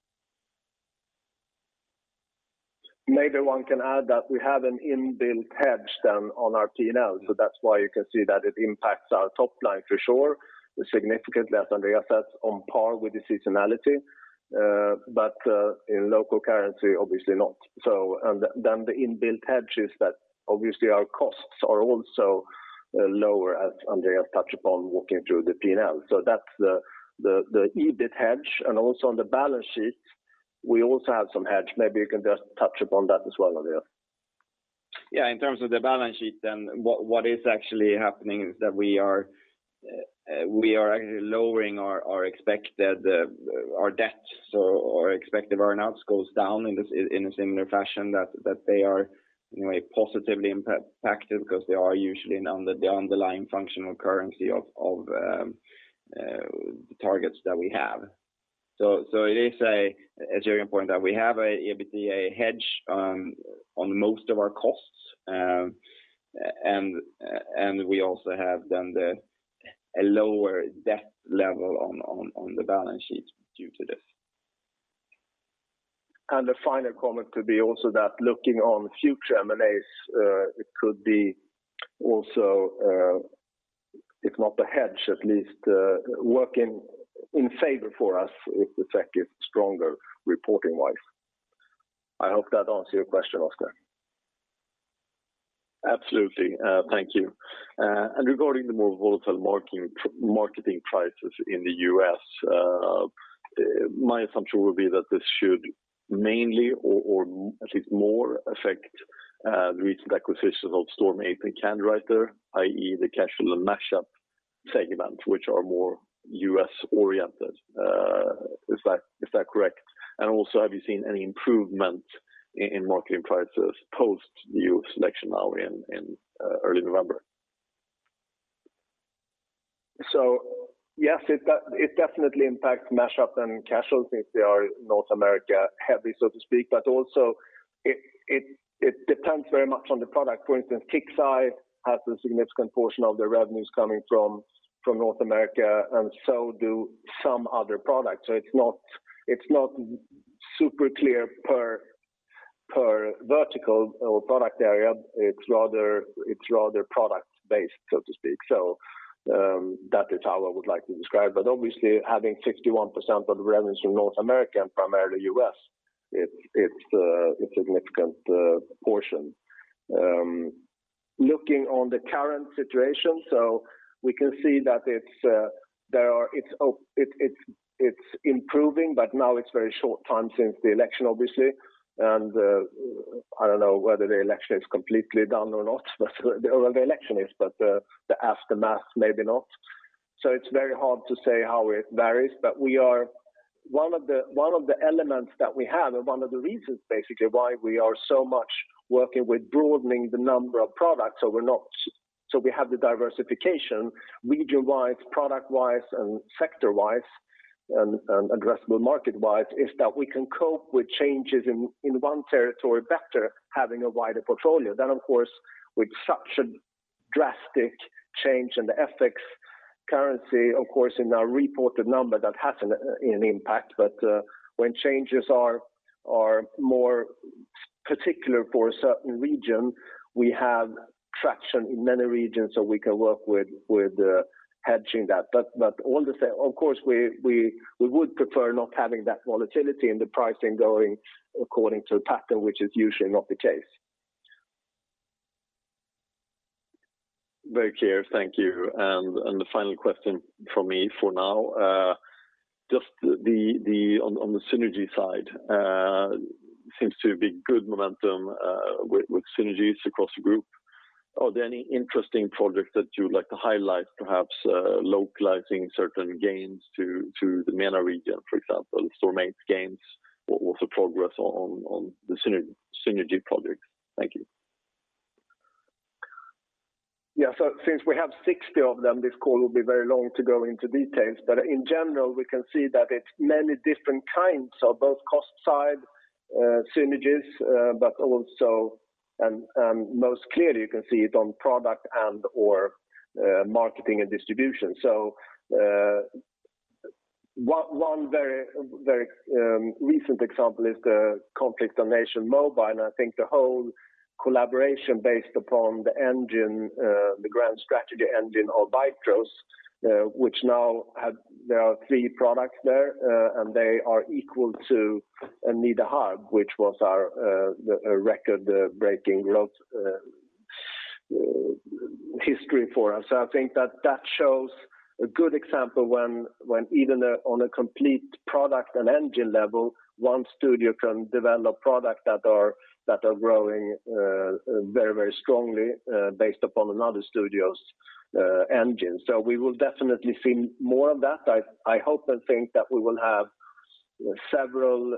Maybe one can add that we have an inbuilt hedge then on our P&L. That's why you can see that it impacts our top line for sure, significantly as Andreas said, on par with the seasonality, but in local currency, obviously not. The inbuilt hedge is that obviously our costs are also lower as Andreas touched upon walking through the P&L. That's the EBITDA hedge. Also on the balance sheet, we also have some hedge. Maybe you can just touch upon that as well, Andreas. Yeah, in terms of the balance sheet then, what is actually happening is that we are actually lowering our debts or expected earn-outs goes down in a similar fashion that they are positively impacted because they are usually the underlying functional currency of the targets that we have. It is a, as Jörgen pointed out, we have a EBITDA hedge on most of our costs. We also have then a lower debt level on the balance sheet due to this. The final comment could be also that looking on future M&As, it could be also, if not a hedge, at least working in favor for us if the tech is stronger reporting-wise. I hope that answers your question, Oscar. Absolutely. Thank you. Regarding the more volatile marketing prices in the U.S., my assumption would be that this should mainly, or at least more affect the recent acquisition of Storm8 and Candywriter, i.e. the Casual and Match-Up segment, which are more U.S.-oriented. Is that correct? Also, have you seen any improvement in marketing prices post the U.S. election now in early November? Yes, it definitely impacts Match-Up and casual since they are North America heavy, so to speak. Also, it depends very much on the product. For instance, KIXEYE has a significant portion of their revenues coming from North America, and so do some other products. It's not super clear per vertical or product area. It's rather product-based, so to speak. That is how I would like to describe it. Obviously, having 61% of the revenues from North America and primarily U.S., it's a significant portion. Looking on the current situation, we can see that it's improving, but now it's a very short time since the election, obviously. I don't know whether the election is completely done or not. Well, the election is, but the aftermath, maybe not. It's very hard to say how it varies, but one of the elements that we have and one of the reasons basically why we are so much working with broadening the number of products so we have the diversification region-wise, product-wise, and sector-wise and addressable market-wise, is that we can cope with changes in one territory better having a wider portfolio. Of course, with such a drastic change in the FX currency, of course, in our reported number, that has an impact. When changes are more particular for a certain region, we have traction in many regions that we can work with hedging that. All the same, of course, we would prefer not having that volatility and the pricing going according to pattern, which is usually not the case. The final question from me for now. Just on the synergy side, seems to be good momentum with synergies across the group. Are there any interesting projects that you would like to highlight perhaps localizing certain games to the MENA region, for example, Storm8 games? What's the progress on the synergy projects? Thank you. Since we have 60 of them, this call will be very long to go into details. In general, we can see that it's many different kinds of both cost side synergies, but also, and most clearly you can see it on product and/or marketing and distribution. One very recent example is the "Conflict of Nations Mobile", and I think the whole collaboration based upon the engine, the grand strategy engine of Bytro's which now there are three products there, and they are equal to "Need a Hug," which was our record-breaking growth history for us. I think that shows a good example when even on a complete product and engine level, one studio can develop products that are growing very strongly based upon another studio's engine. We will definitely see more of that. I hope and think that we will have several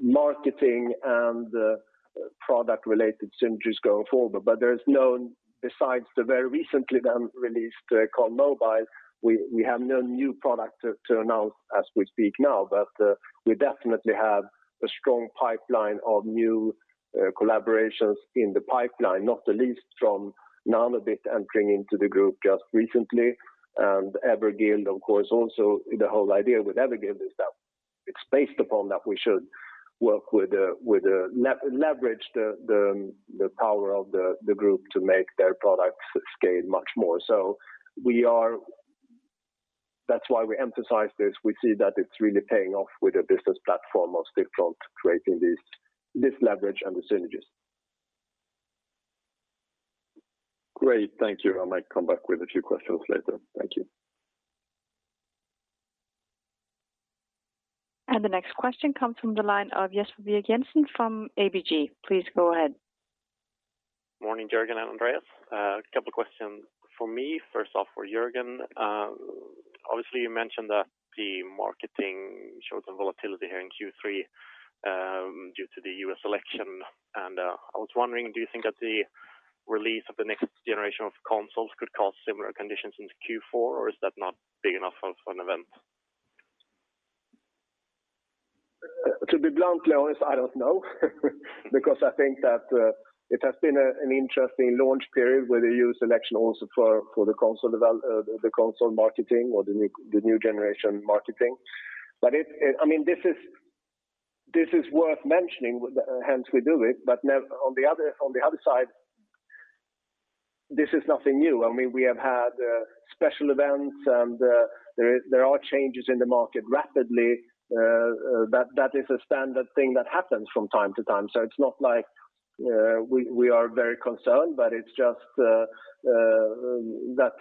marketing and product-related synergies going forward. Besides the very recently then released CoN Mobile, we have no new product to announce as we speak now. We definitely have a strong pipeline of new collaborations in the pipeline, not the least from Nanobit entering into the group just recently. Everguild, of course, also the whole idea with Everguild is that it's based upon that we should leverage the power of the group to make their products scale much more. That's why we emphasize this. We see that it's really paying off with a business platform of Stillfront creating this leverage and the synergies. Great. Thank you. I might come back with a few questions later. Thank you. The next question comes from the line of Jesper Birch-Jensen from ABG Sundal Collier. Please go ahead. Morning, Jörgen and Andreas. A couple of questions from me. First off for Jörgen. Obviously, you mentioned that the marketing showed some volatility here in Q3 due to the U.S. election. I was wondering, do you think that the release of the next generation of consoles could cause similar conditions into Q4, or is that not big enough of an event? To be bluntly honest, I don't know because I think that it has been an interesting launch period where they use election also for the console marketing or the new generation marketing. This is worth mentioning, hence we do it. On the other side, this is nothing new. We have had special events, and there are changes in the market rapidly. That is a standard thing that happens from time-to-time. It's not like we are very concerned, but it's just that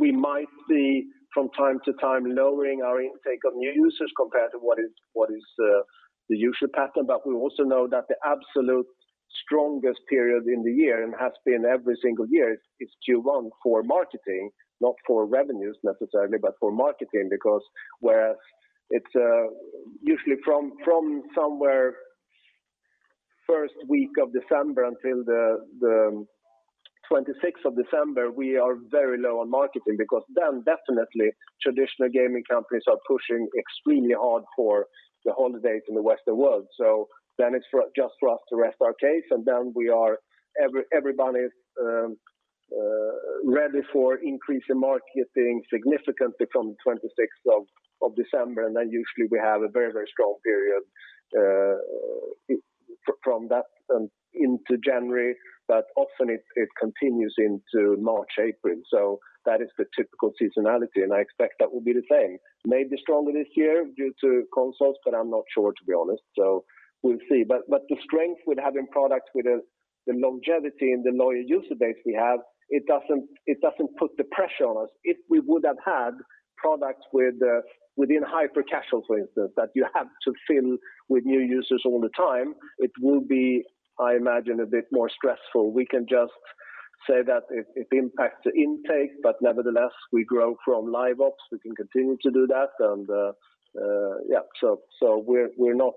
we might see from time-to-time lowering our intake of new users compared to what is the usual pattern. We also know that the absolute strongest period in the year, and has been every single year, is Q1 for marketing, not for revenues necessarily, but for marketing. Whereas it's usually from somewhere first week of December until the 26th of December, we are very low on marketing because then definitely traditional gaming companies are pushing extremely hard for the holidays in the Western world. It's just for us to rest our case, and then everybody's ready for increase in marketing significantly from the 26th of December, and then usually we have a very strong period from that into January, but often it continues into March, April. That is the typical seasonality, and I expect that will be the same. Maybe stronger this year due to consoles, but I'm not sure, to be honest, so we'll see. The strength we have in products with the longevity and the loyal user base we have, it doesn't put the pressure on us. If we would have had products within hyper-casual, for instance, that you have to fill with new users all the time, it will be, I imagine, a bit more stressful. We can just say that it impacts the intake, but nevertheless, we grow from live ops. We can continue to do that, and yeah. We're not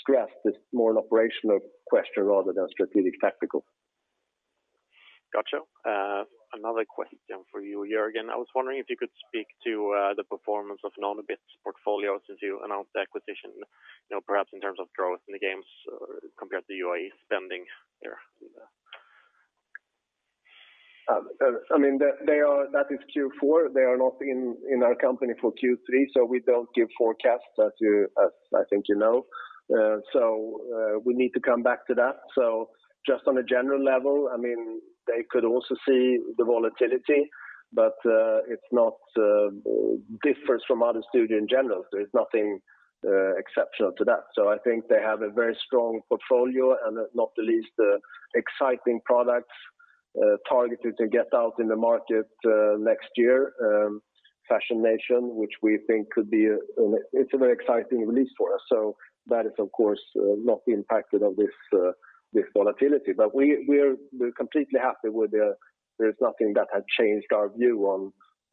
stressed. It's more an operational question rather than strategic tactical. Got you. Another question for you, Jörgen. I was wondering if you could speak to the performance of Nanobit's portfolio since you announced the acquisition, perhaps in terms of growth in the games compared to UA spending there. That is Q4. They are not in our company for Q3. We don't give forecasts, as I think you know. We need to come back to that. Just on a general level, they could also see the volatility, but it's not differs from other studio in general, so it's nothing exceptional to that. I think they have a very strong portfolio and not the least exciting products targeted to get out in the market next year. Fashion Nation, which we think it's a very exciting release for us. That is, of course, not impacted on this volatility. There's nothing that has changed our view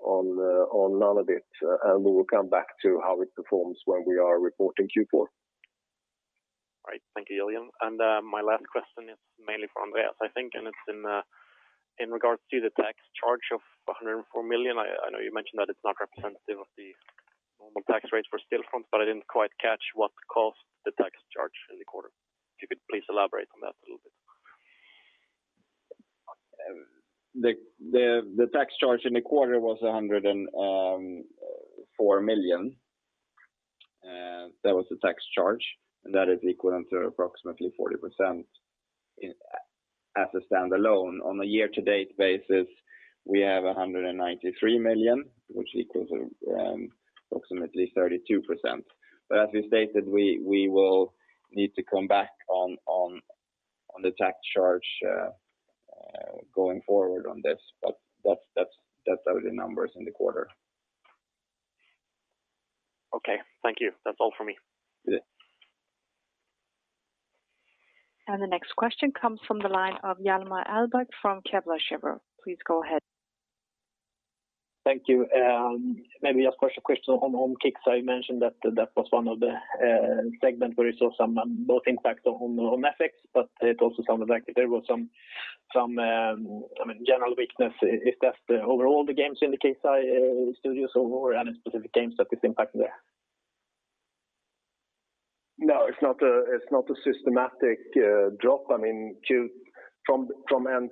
on Nanobit, and we will come back to how it performs when we are reporting Q4. Right. Thank you, Jörgen. My last question is mainly for Andreas, I think, and it's in regards to the tax charge of 104 million. I know you mentioned that it's not representative of the normal tax rates for Stillfront, but I didn't quite catch what caused the tax charge in the quarter. If you could please elaborate on that a little bit? The tax charge in the quarter was 104 million. That was the tax charge, and that is equivalent to approximately 40% as a standalone. On a year-to-date basis, we have 193 million, which equals approximately 32%. As we stated, we will need to come back on the tax charge going forward on this, but that's the numbers in the quarter. Okay. Thank you. That's all for me. Good. The next question comes from the line of Hjalmar Ahlberg from Kepler Cheuvreux. Please go ahead. Thank you. Maybe just a question on KIXEYE. You mentioned that was one of the segment where you saw some both impacts on FX, it also sounded like there was some general weakness. Is that overall the games in the KIXEYE studios, or any specific games that is impacting there? No, it's not a systematic drop. From Q1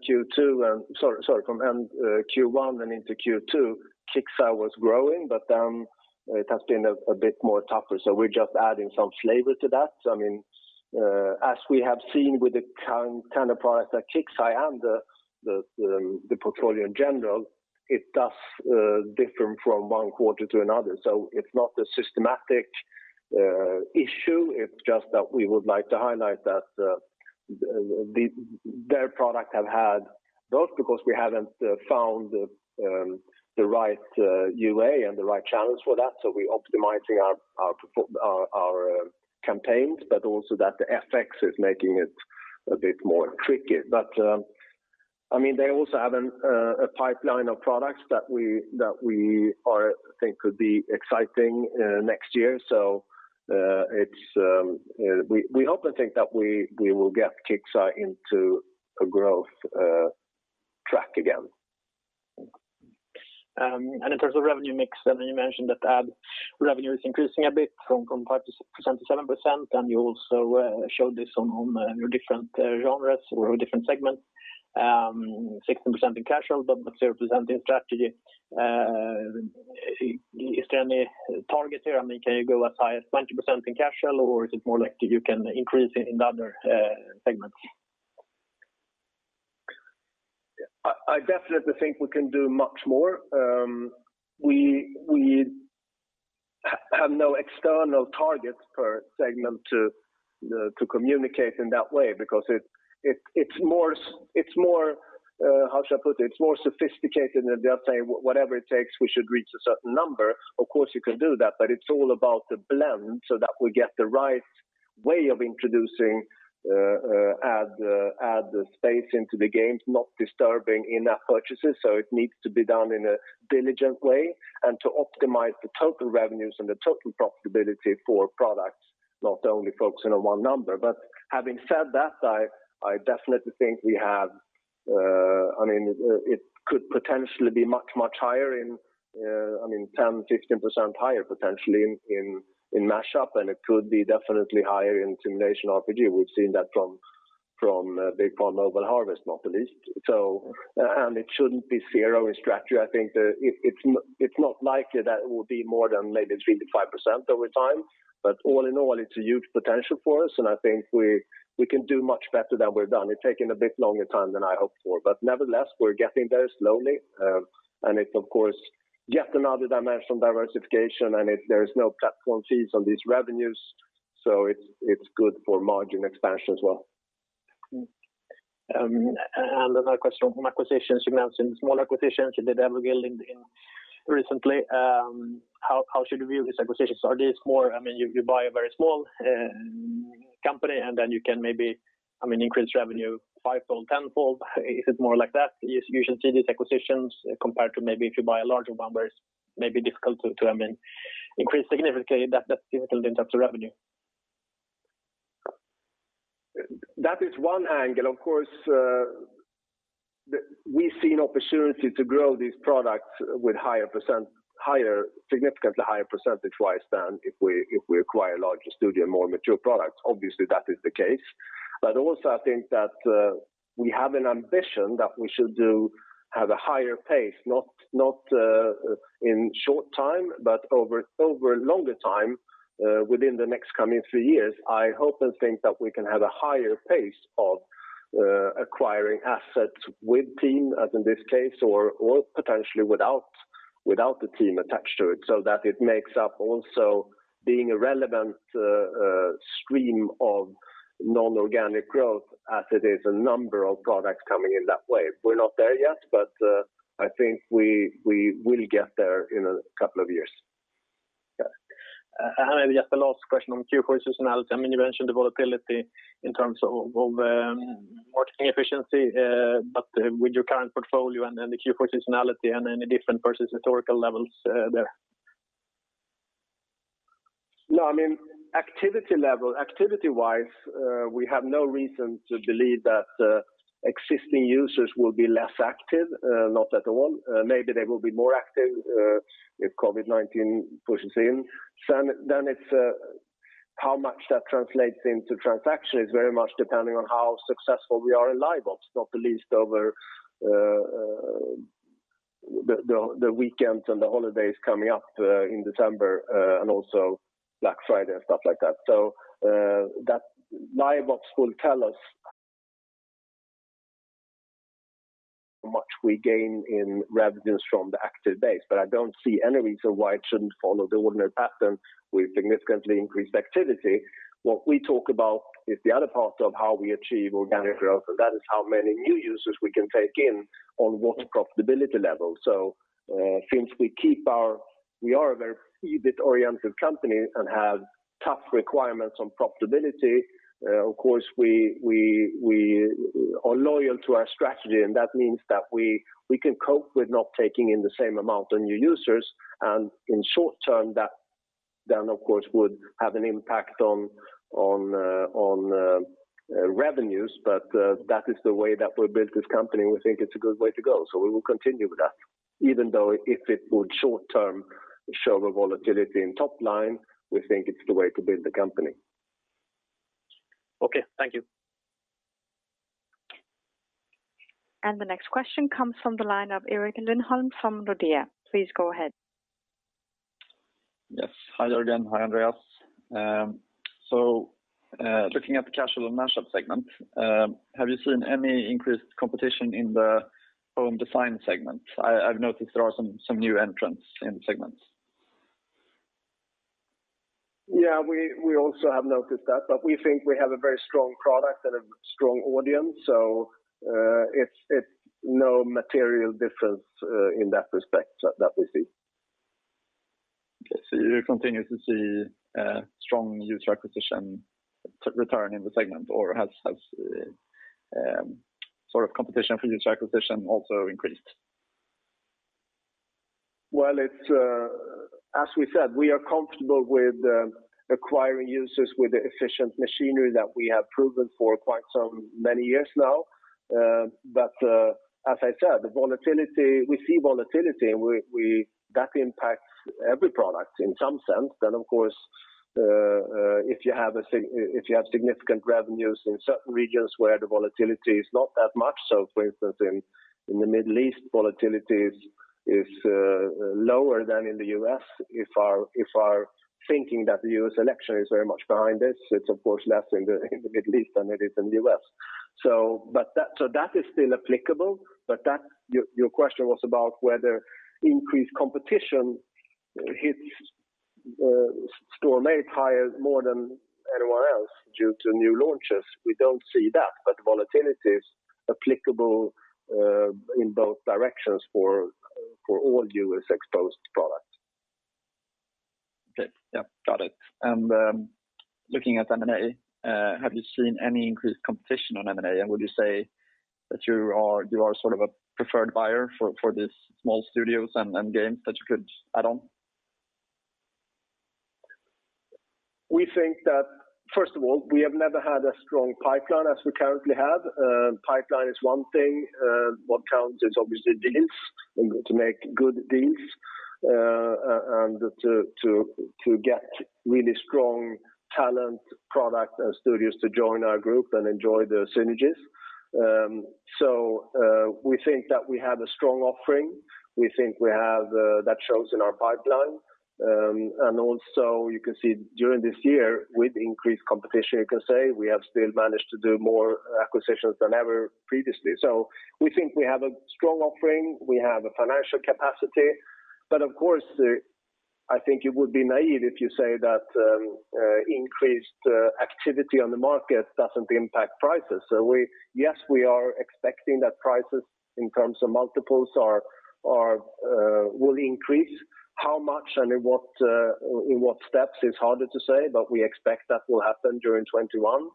and into Q2, KIXEYE was growing, but then it has been a bit more tougher. We're just adding some flavor to that. As we have seen with the kind of products that KIXEYE and the portfolio in general, it does differ from one quarter to another. It's not a systematic issue. It's just that we would like to highlight that their product have had both because we haven't found the right UA and the right channels for that, so we're optimizing our campaigns, but also that the FX is making it a bit more tricky. They also have a pipeline of products that we think could be exciting next year. We hope and think that we will get KIXEYE into a growth track again. In terms of revenue mix, you mentioned that ad revenue is increasing a bit from 5%-7%, and you also showed this on your different genres or different segments, 16% in casual, but 0% in strategy. Is there any target here? Can you go as high as 20% in casual, or is it more like you can increase it in other segments? I definitely think we can do much more. We have no external targets per segment to communicate in that way because it's more, how should I put it? It's more sophisticated than just saying, "Whatever it takes, we should reach a certain number." Of course, you can do that, but it's all about the blend so that we get the right way of introducing ad space into the games, not disturbing in-app purchases. It needs to be done in a diligent way and to optimize the total revenues and the total profitability for products, not only focusing on one number. Having said that, I definitely think it could potentially be much higher, 10%, 15% higher potentially in Match-Up, and it could be definitely higher in Simulation RPG. We've seen that from Big Farm: Mobile Harvest, not the least. It shouldn't be 0 in strategy. I think that it's not likely that it will be more than maybe 3%-5% over time. All in all, it's a huge potential for us, and I think we can do much better than we've done. It's taking a bit longer time than I hoped for. Nevertheless, we're getting there slowly. It's, of course, yet another dimension of diversification, and there is no platform fees on these revenues, so it's good for margin expansion as well. Another question on acquisitions. You mentioned small acquisitions you did recently. How should we view these acquisitions? You buy a very small company, then you can maybe increase revenue fivefold, tenfold. Is it more like that you should see these acquisitions compared to maybe if you buy a larger one where it's maybe difficult to increase significantly that in terms of revenue? That is one angle. Of course, we've seen opportunity to grow these products with significantly higher percentage-wise than if we acquire a larger studio, more mature products. Obviously, that is the case. Also, I think that we have an ambition that we should do at a higher pace, not in short time, but over a longer time within the next coming three years. I hope and think that we can have a higher pace of acquiring assets with team, as in this case, or potentially without the team attached to it, so that it makes up also being a relevant stream of non-organic growth as it is a number of products coming in that way. We're not there yet, but I think we will get there in a couple of years. Okay. Maybe just the last question on Q4 seasonality. You mentioned the volatility in terms of marketing efficiency, but with your current portfolio and the Q4 seasonality, are there any different versus historical levels there? No, activity-wise, we have no reason to believe that existing users will be less active, not at all. Maybe they will be more active if COVID-19 pushes in. It's how much that translates into transactions very much depending on how successful we are in LiveOps, not the least over the weekends and the holidays coming up in December, and also Black Friday and stuff like that. That LiveOps will tell us how much we gain in revenues from the active base, but I don't see any reason why it shouldn't follow the ordinary pattern with significantly increased activity. What we talk about is the other part of how we achieve organic growth, and that is how many new users we can take in on what profitability level. Since we are a very EBITDA-oriented company and have tough requirements on profitability, of course, we are loyal to our strategy, and that means that we can cope with not taking in the same amount of new users, and in short term, that then, of course, would have an impact on revenues. That is the way that we built this company, and we think it's a good way to go. We will continue with that, even though if it would short term show a volatility in top line, we think it's the way to build the company. Okay. Thank you. The next question comes from the line of Erik Lindholm-Röjestål from Nordea. Please go ahead. Yes. Hi, Jörgen. Hi, Andreas. Looking at the Casual and Match-Up segment, have you seen any increased competition in the home design segment? I've noticed there are some new entrants in the segment. Yeah, we also have noticed that, but we think we have a very strong product and a strong audience, so it's no material difference in that respect that we see. You continue to see strong user acquisition return in the segment, or has competition for user acquisition also increased? As we said, we are comfortable with acquiring users with the efficient machinery that we have proven for quite some many years now. As I said, we see volatility, and that impacts every product in some sense. Of course, if you have significant revenues in certain regions where the volatility is not that much, for instance, in the Middle East, volatility is lower than in the U.S. If our thinking that the U.S. election is very much behind this, it's of course less in the Middle East than it is in the U.S. That is still applicable, but your question was about whether increased competition hits Storm8 higher more than anyone else due to new launches. We don't see that, but volatility is applicable in both directions for all U.S.-exposed products. Okay. Yeah, got it. Looking at M&A, have you seen any increased competition on M&A? Would you say that you are sort of a preferred buyer for these small studios and games that you could add on? We think that, first of all, we have never had a strong pipeline as we currently have. Pipeline is one thing. What counts is obviously deals, and to make good deals, and to get really strong talent, product, and studios to join our group and enjoy the synergies. We think that we have a strong offering. We think that shows in our pipeline. Also, you can see during this year with increased competition, you can say we have still managed to do more acquisitions than ever previously. We think we have a strong offering. We have a financial capacity. Of course, I think it would be naive if you say that increased activity on the market doesn't impact prices. Yes, we are expecting that prices in terms of multiples will increase. How much and in what steps is harder to say. We expect that will happen during 2021.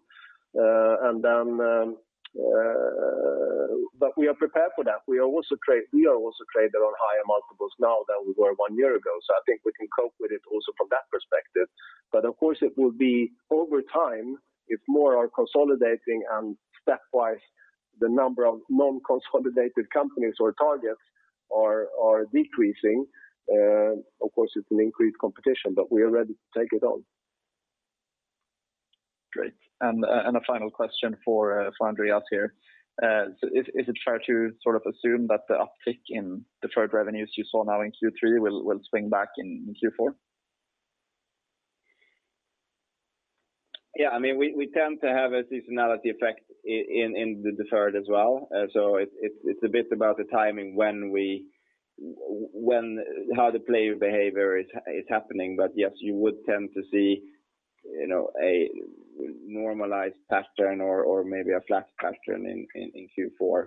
We are prepared for that. We also trade on higher multiples now than we were one year ago, so I think we can cope with it also from that perspective. Of course, it will be over time, if more are consolidating and stepwise the number of non-consolidated companies or targets are decreasing, of course it is an increased competition. We are ready to take it on. Great. A final question for Andreas here. Is it fair to sort of assume that the uptick in deferred revenues you saw now in Q3 will swing back in Q4? Yeah, we tend to have a seasonality effect in the deferred as well. It's a bit about the timing when how the player behavior is happening. Yes, you would tend to see a normalized pattern or maybe a flat pattern in Q4.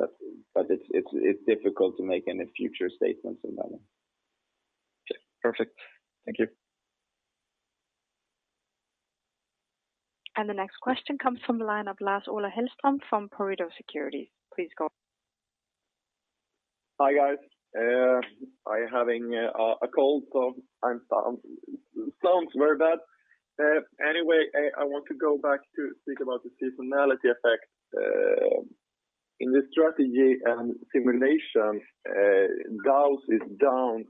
It's difficult to make any future statements on that one. Okay, perfect. Thank you. The next question comes from the line of Lars-Ola Hellström from Pareto Securities. Please go ahead. Hi, guys. I'm having a cold, so I sound very bad. I want to go back to speak about the seasonality effect. In the strategy and Simulation, DAUs is down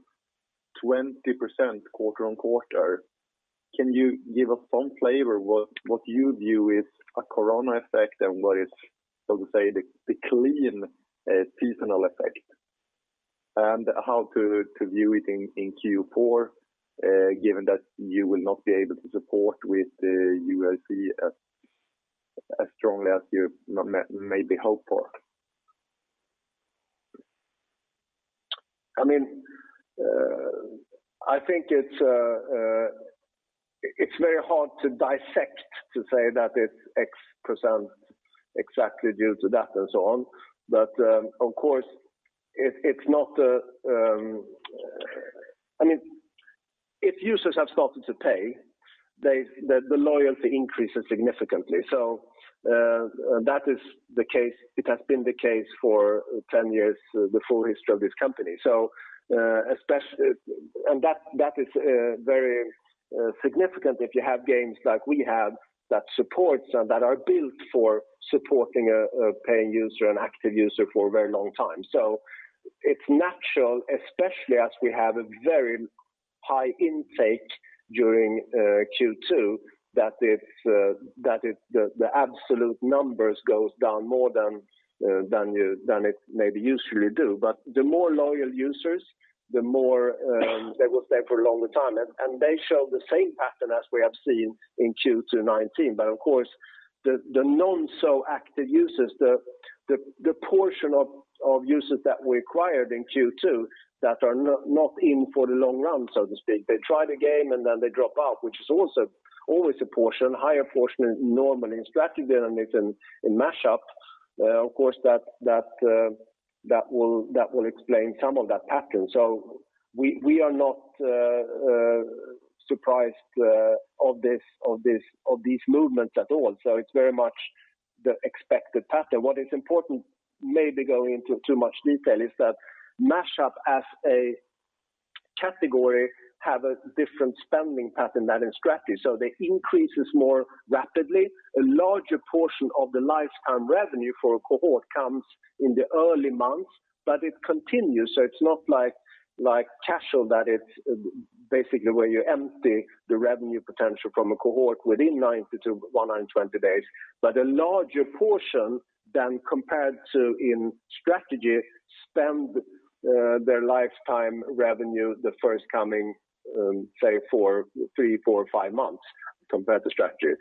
20% quarter-on-quarter. Can you give us some flavor what you view is a corona effect and what is, so to say, the clean seasonal effect? How to view it in Q4, given that you will not be able to support with UA as strongly as you maybe hoped for? I think it's very hard to dissect to say that it's X% exactly due to that and so on. Of course, if users have started to pay, the loyalty increases significantly. That is the case. It has been the case for 10 years, the full history of this company. That is very significant if you have games like we have that are built for supporting a paying user and active user for a very long time. It's natural, especially as we have a very high intake during Q2, that the absolute numbers goes down more than it maybe usually do. The more loyal users, the more they will stay for a longer time, and they show the same pattern as we have seen in Q2 2019. Of course, the non-so-active users, the portion of users that we acquired in Q2 that are not in for the long run, so to speak, they try the game and then they drop out, which is always a portion, higher portion than normal in strategy than it is in Match-Up. That will explain some of that pattern. We are not surprised of these movements at all. It's very much the expected pattern. What is important, maybe going into too much detail, is that Match-Up as a category have a different spending pattern than in strategy. It increases more rapidly. A larger portion of the lifetime revenue for a cohort comes in the early months, but it continues. It's not like Casual, that it's basically where you empty the revenue potential from a cohort within 90-120 days. A larger portion than compared to in Strategy, spend their lifetime revenue the first coming, say four, three, four, or five months compared to Strategy.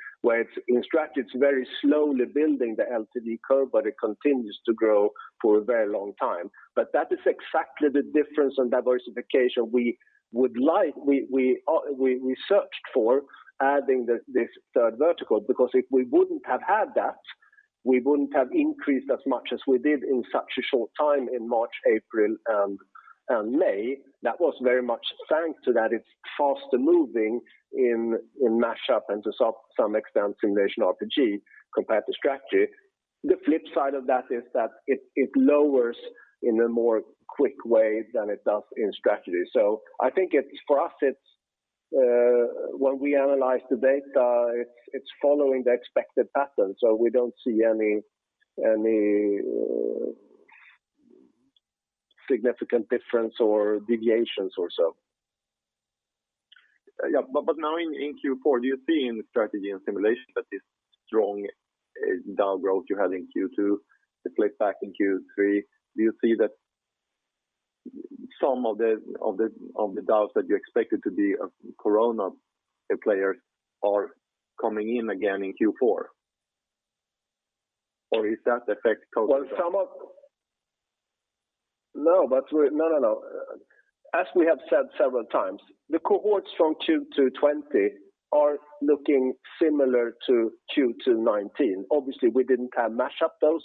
In Strategy, it's very slowly building the LTV curve, but it continues to grow for a very long time. That is exactly the difference in diversification we searched for adding this third vertical, because if we wouldn't have had that, we wouldn't have increased as much as we did in such a short time in March, April, and May. That was very much thanks to that it's faster-moving in Match-Up and to some extent Simulation RPG compared to Strategy. The flip side of that is that it lowers in a more quick way than it does in Strategy. I think for us, when we analyze the data, it's following the expected pattern, so we don't see any significant difference or deviations or so. Yeah. Now in Q4, do you see in the strategy and simulation that this strong DAU growth you had in Q2, the click-back in Q3, do you see that some of the DAUs that you expected to be corona players are coming in again in Q4? As we have said several times, the cohorts from Q2 2020 are looking similar to Q2 2019. We didn't have mashup though,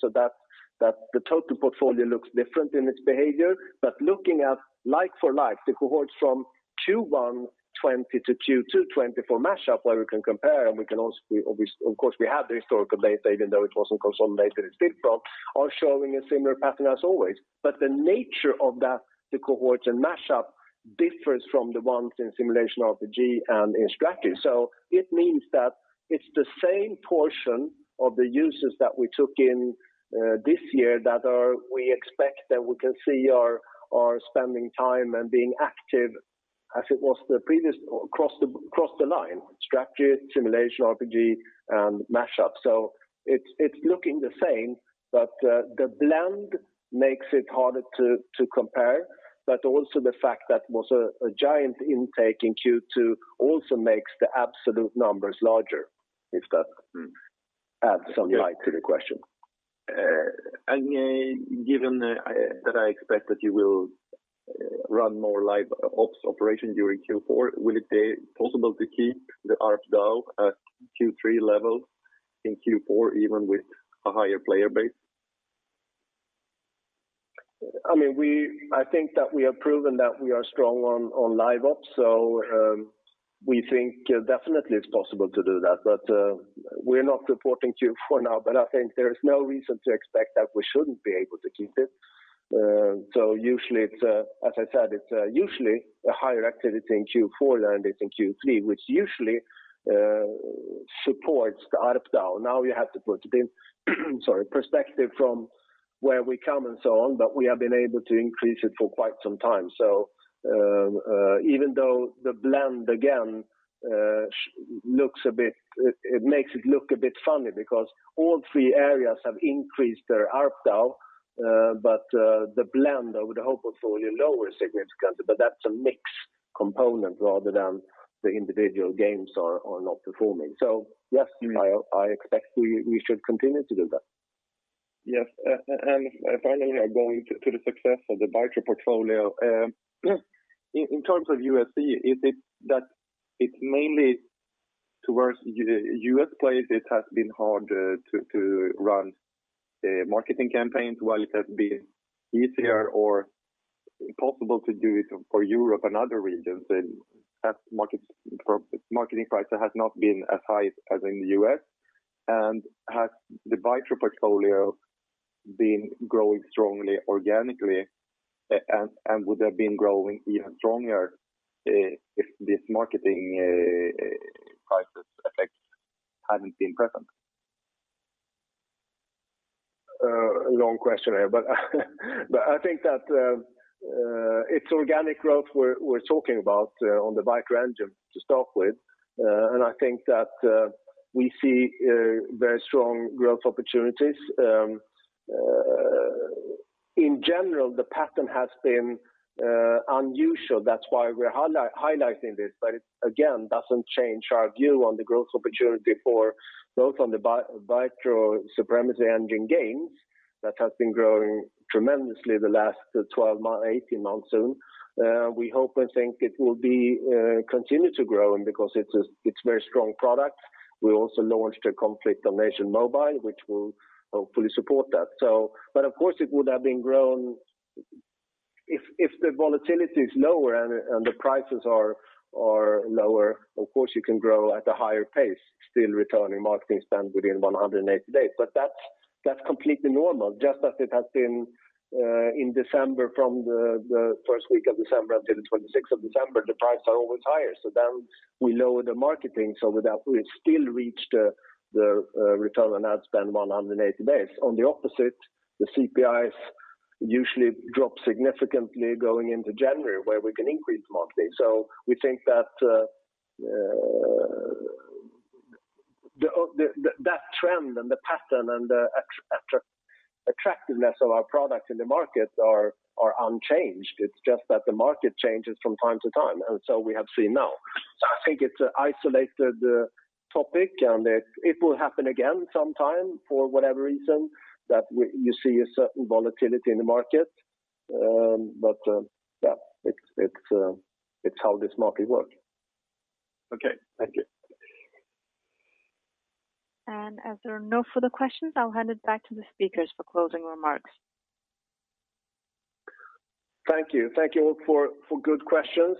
the total portfolio looks different in its behavior. Looking at like for like, the cohorts from Q1 2020 to Q2 2020 for mashup, where we can compare, of course, we have the historical data, even though it wasn't consolidated in Stillfront, are showing a similar pattern as always. The nature of that, the cohorts in mashup differs from the ones in Simulation RPG and in Strategy. It means that it's the same portion of the users that we took in this year that we expect that we can see are spending time and being active as it was the previous, across the line, Strategy, Simulation RPG, and mashup. It's looking the same, but the blend makes it harder to compare. Also the fact that it was a giant intake in Q2 also makes the absolute numbers larger, if that adds some light to the question. Given that I expect that you will run more Live Operations during Q4, will it be possible to keep the ARPDAU at Q3 levels in Q4, even with a higher player base? I think that we have proven that we are strong on LiveOps. We think definitely it's possible to do that. We're not reporting Q4 now. I think there is no reason to expect that we shouldn't be able to keep it. As I said, it's usually a higher activity in Q4 than it is in Q3, which usually supports the ARPDAU. Now you have to put in sorry, perspective from where we come and so on. We have been able to increase it for quite some time. Even though the blend, again, it makes it look a bit funny because all three areas have increased their ARPDAU, the blend over the whole portfolio lowers significantly. That's a mix component rather than the individual games are not performing. Yes, I expect we should continue to do that. Yes. Finally, going to the success of the Bytro portfolio. In terms of UA, is it that it's mainly towards U.S. players it has been hard to run marketing campaigns while it has been easier or possible to do it for Europe and other regions, and marketing price has not been as high as in the U.S.? Has the Bytro portfolio been growing strongly organically, and would have been growing even stronger if this marketing prices effect hadn't been present? Long question. I think that it's organic growth we're talking about on the Bytro Supremacy Engine to start with, and I think that we see very strong growth opportunities. In general, the pattern has been unusual. That's why we're highlighting this. It again, doesn't change our view on the growth opportunity for both on the Bytro Supremacy Engine games that has been growing tremendously the last 12, 18 months soon. We hope and think it will continue to grow because it's a very strong product. We also launched the Conflict of Nations: [WW3], which will hopefully support that. Of course, if the volatility is lower and the prices are lower, of course you can grow at a higher pace, still returning marketing spend within 180 days. That's completely normal, just as it has been in December from the first week of December until the 26th of December, the prices are always higher. Then we lower the marketing, so with that, we still reach the return on ad spend 180 days. On the opposite, the CPIs usually drop significantly going into January where we can increase marketing. We think that trend and the pattern and the attractiveness of our product in the market are unchanged. It's just that the market changes from time to time, and so we have seen now. I think it's an isolated topic, and it will happen again sometime for whatever reason that you see a certain volatility in the market. Yeah, it's how this market works. Okay. Thank you. As there are no further questions, I'll hand it back to the speakers for closing remarks. Thank you. Thank you all for good questions.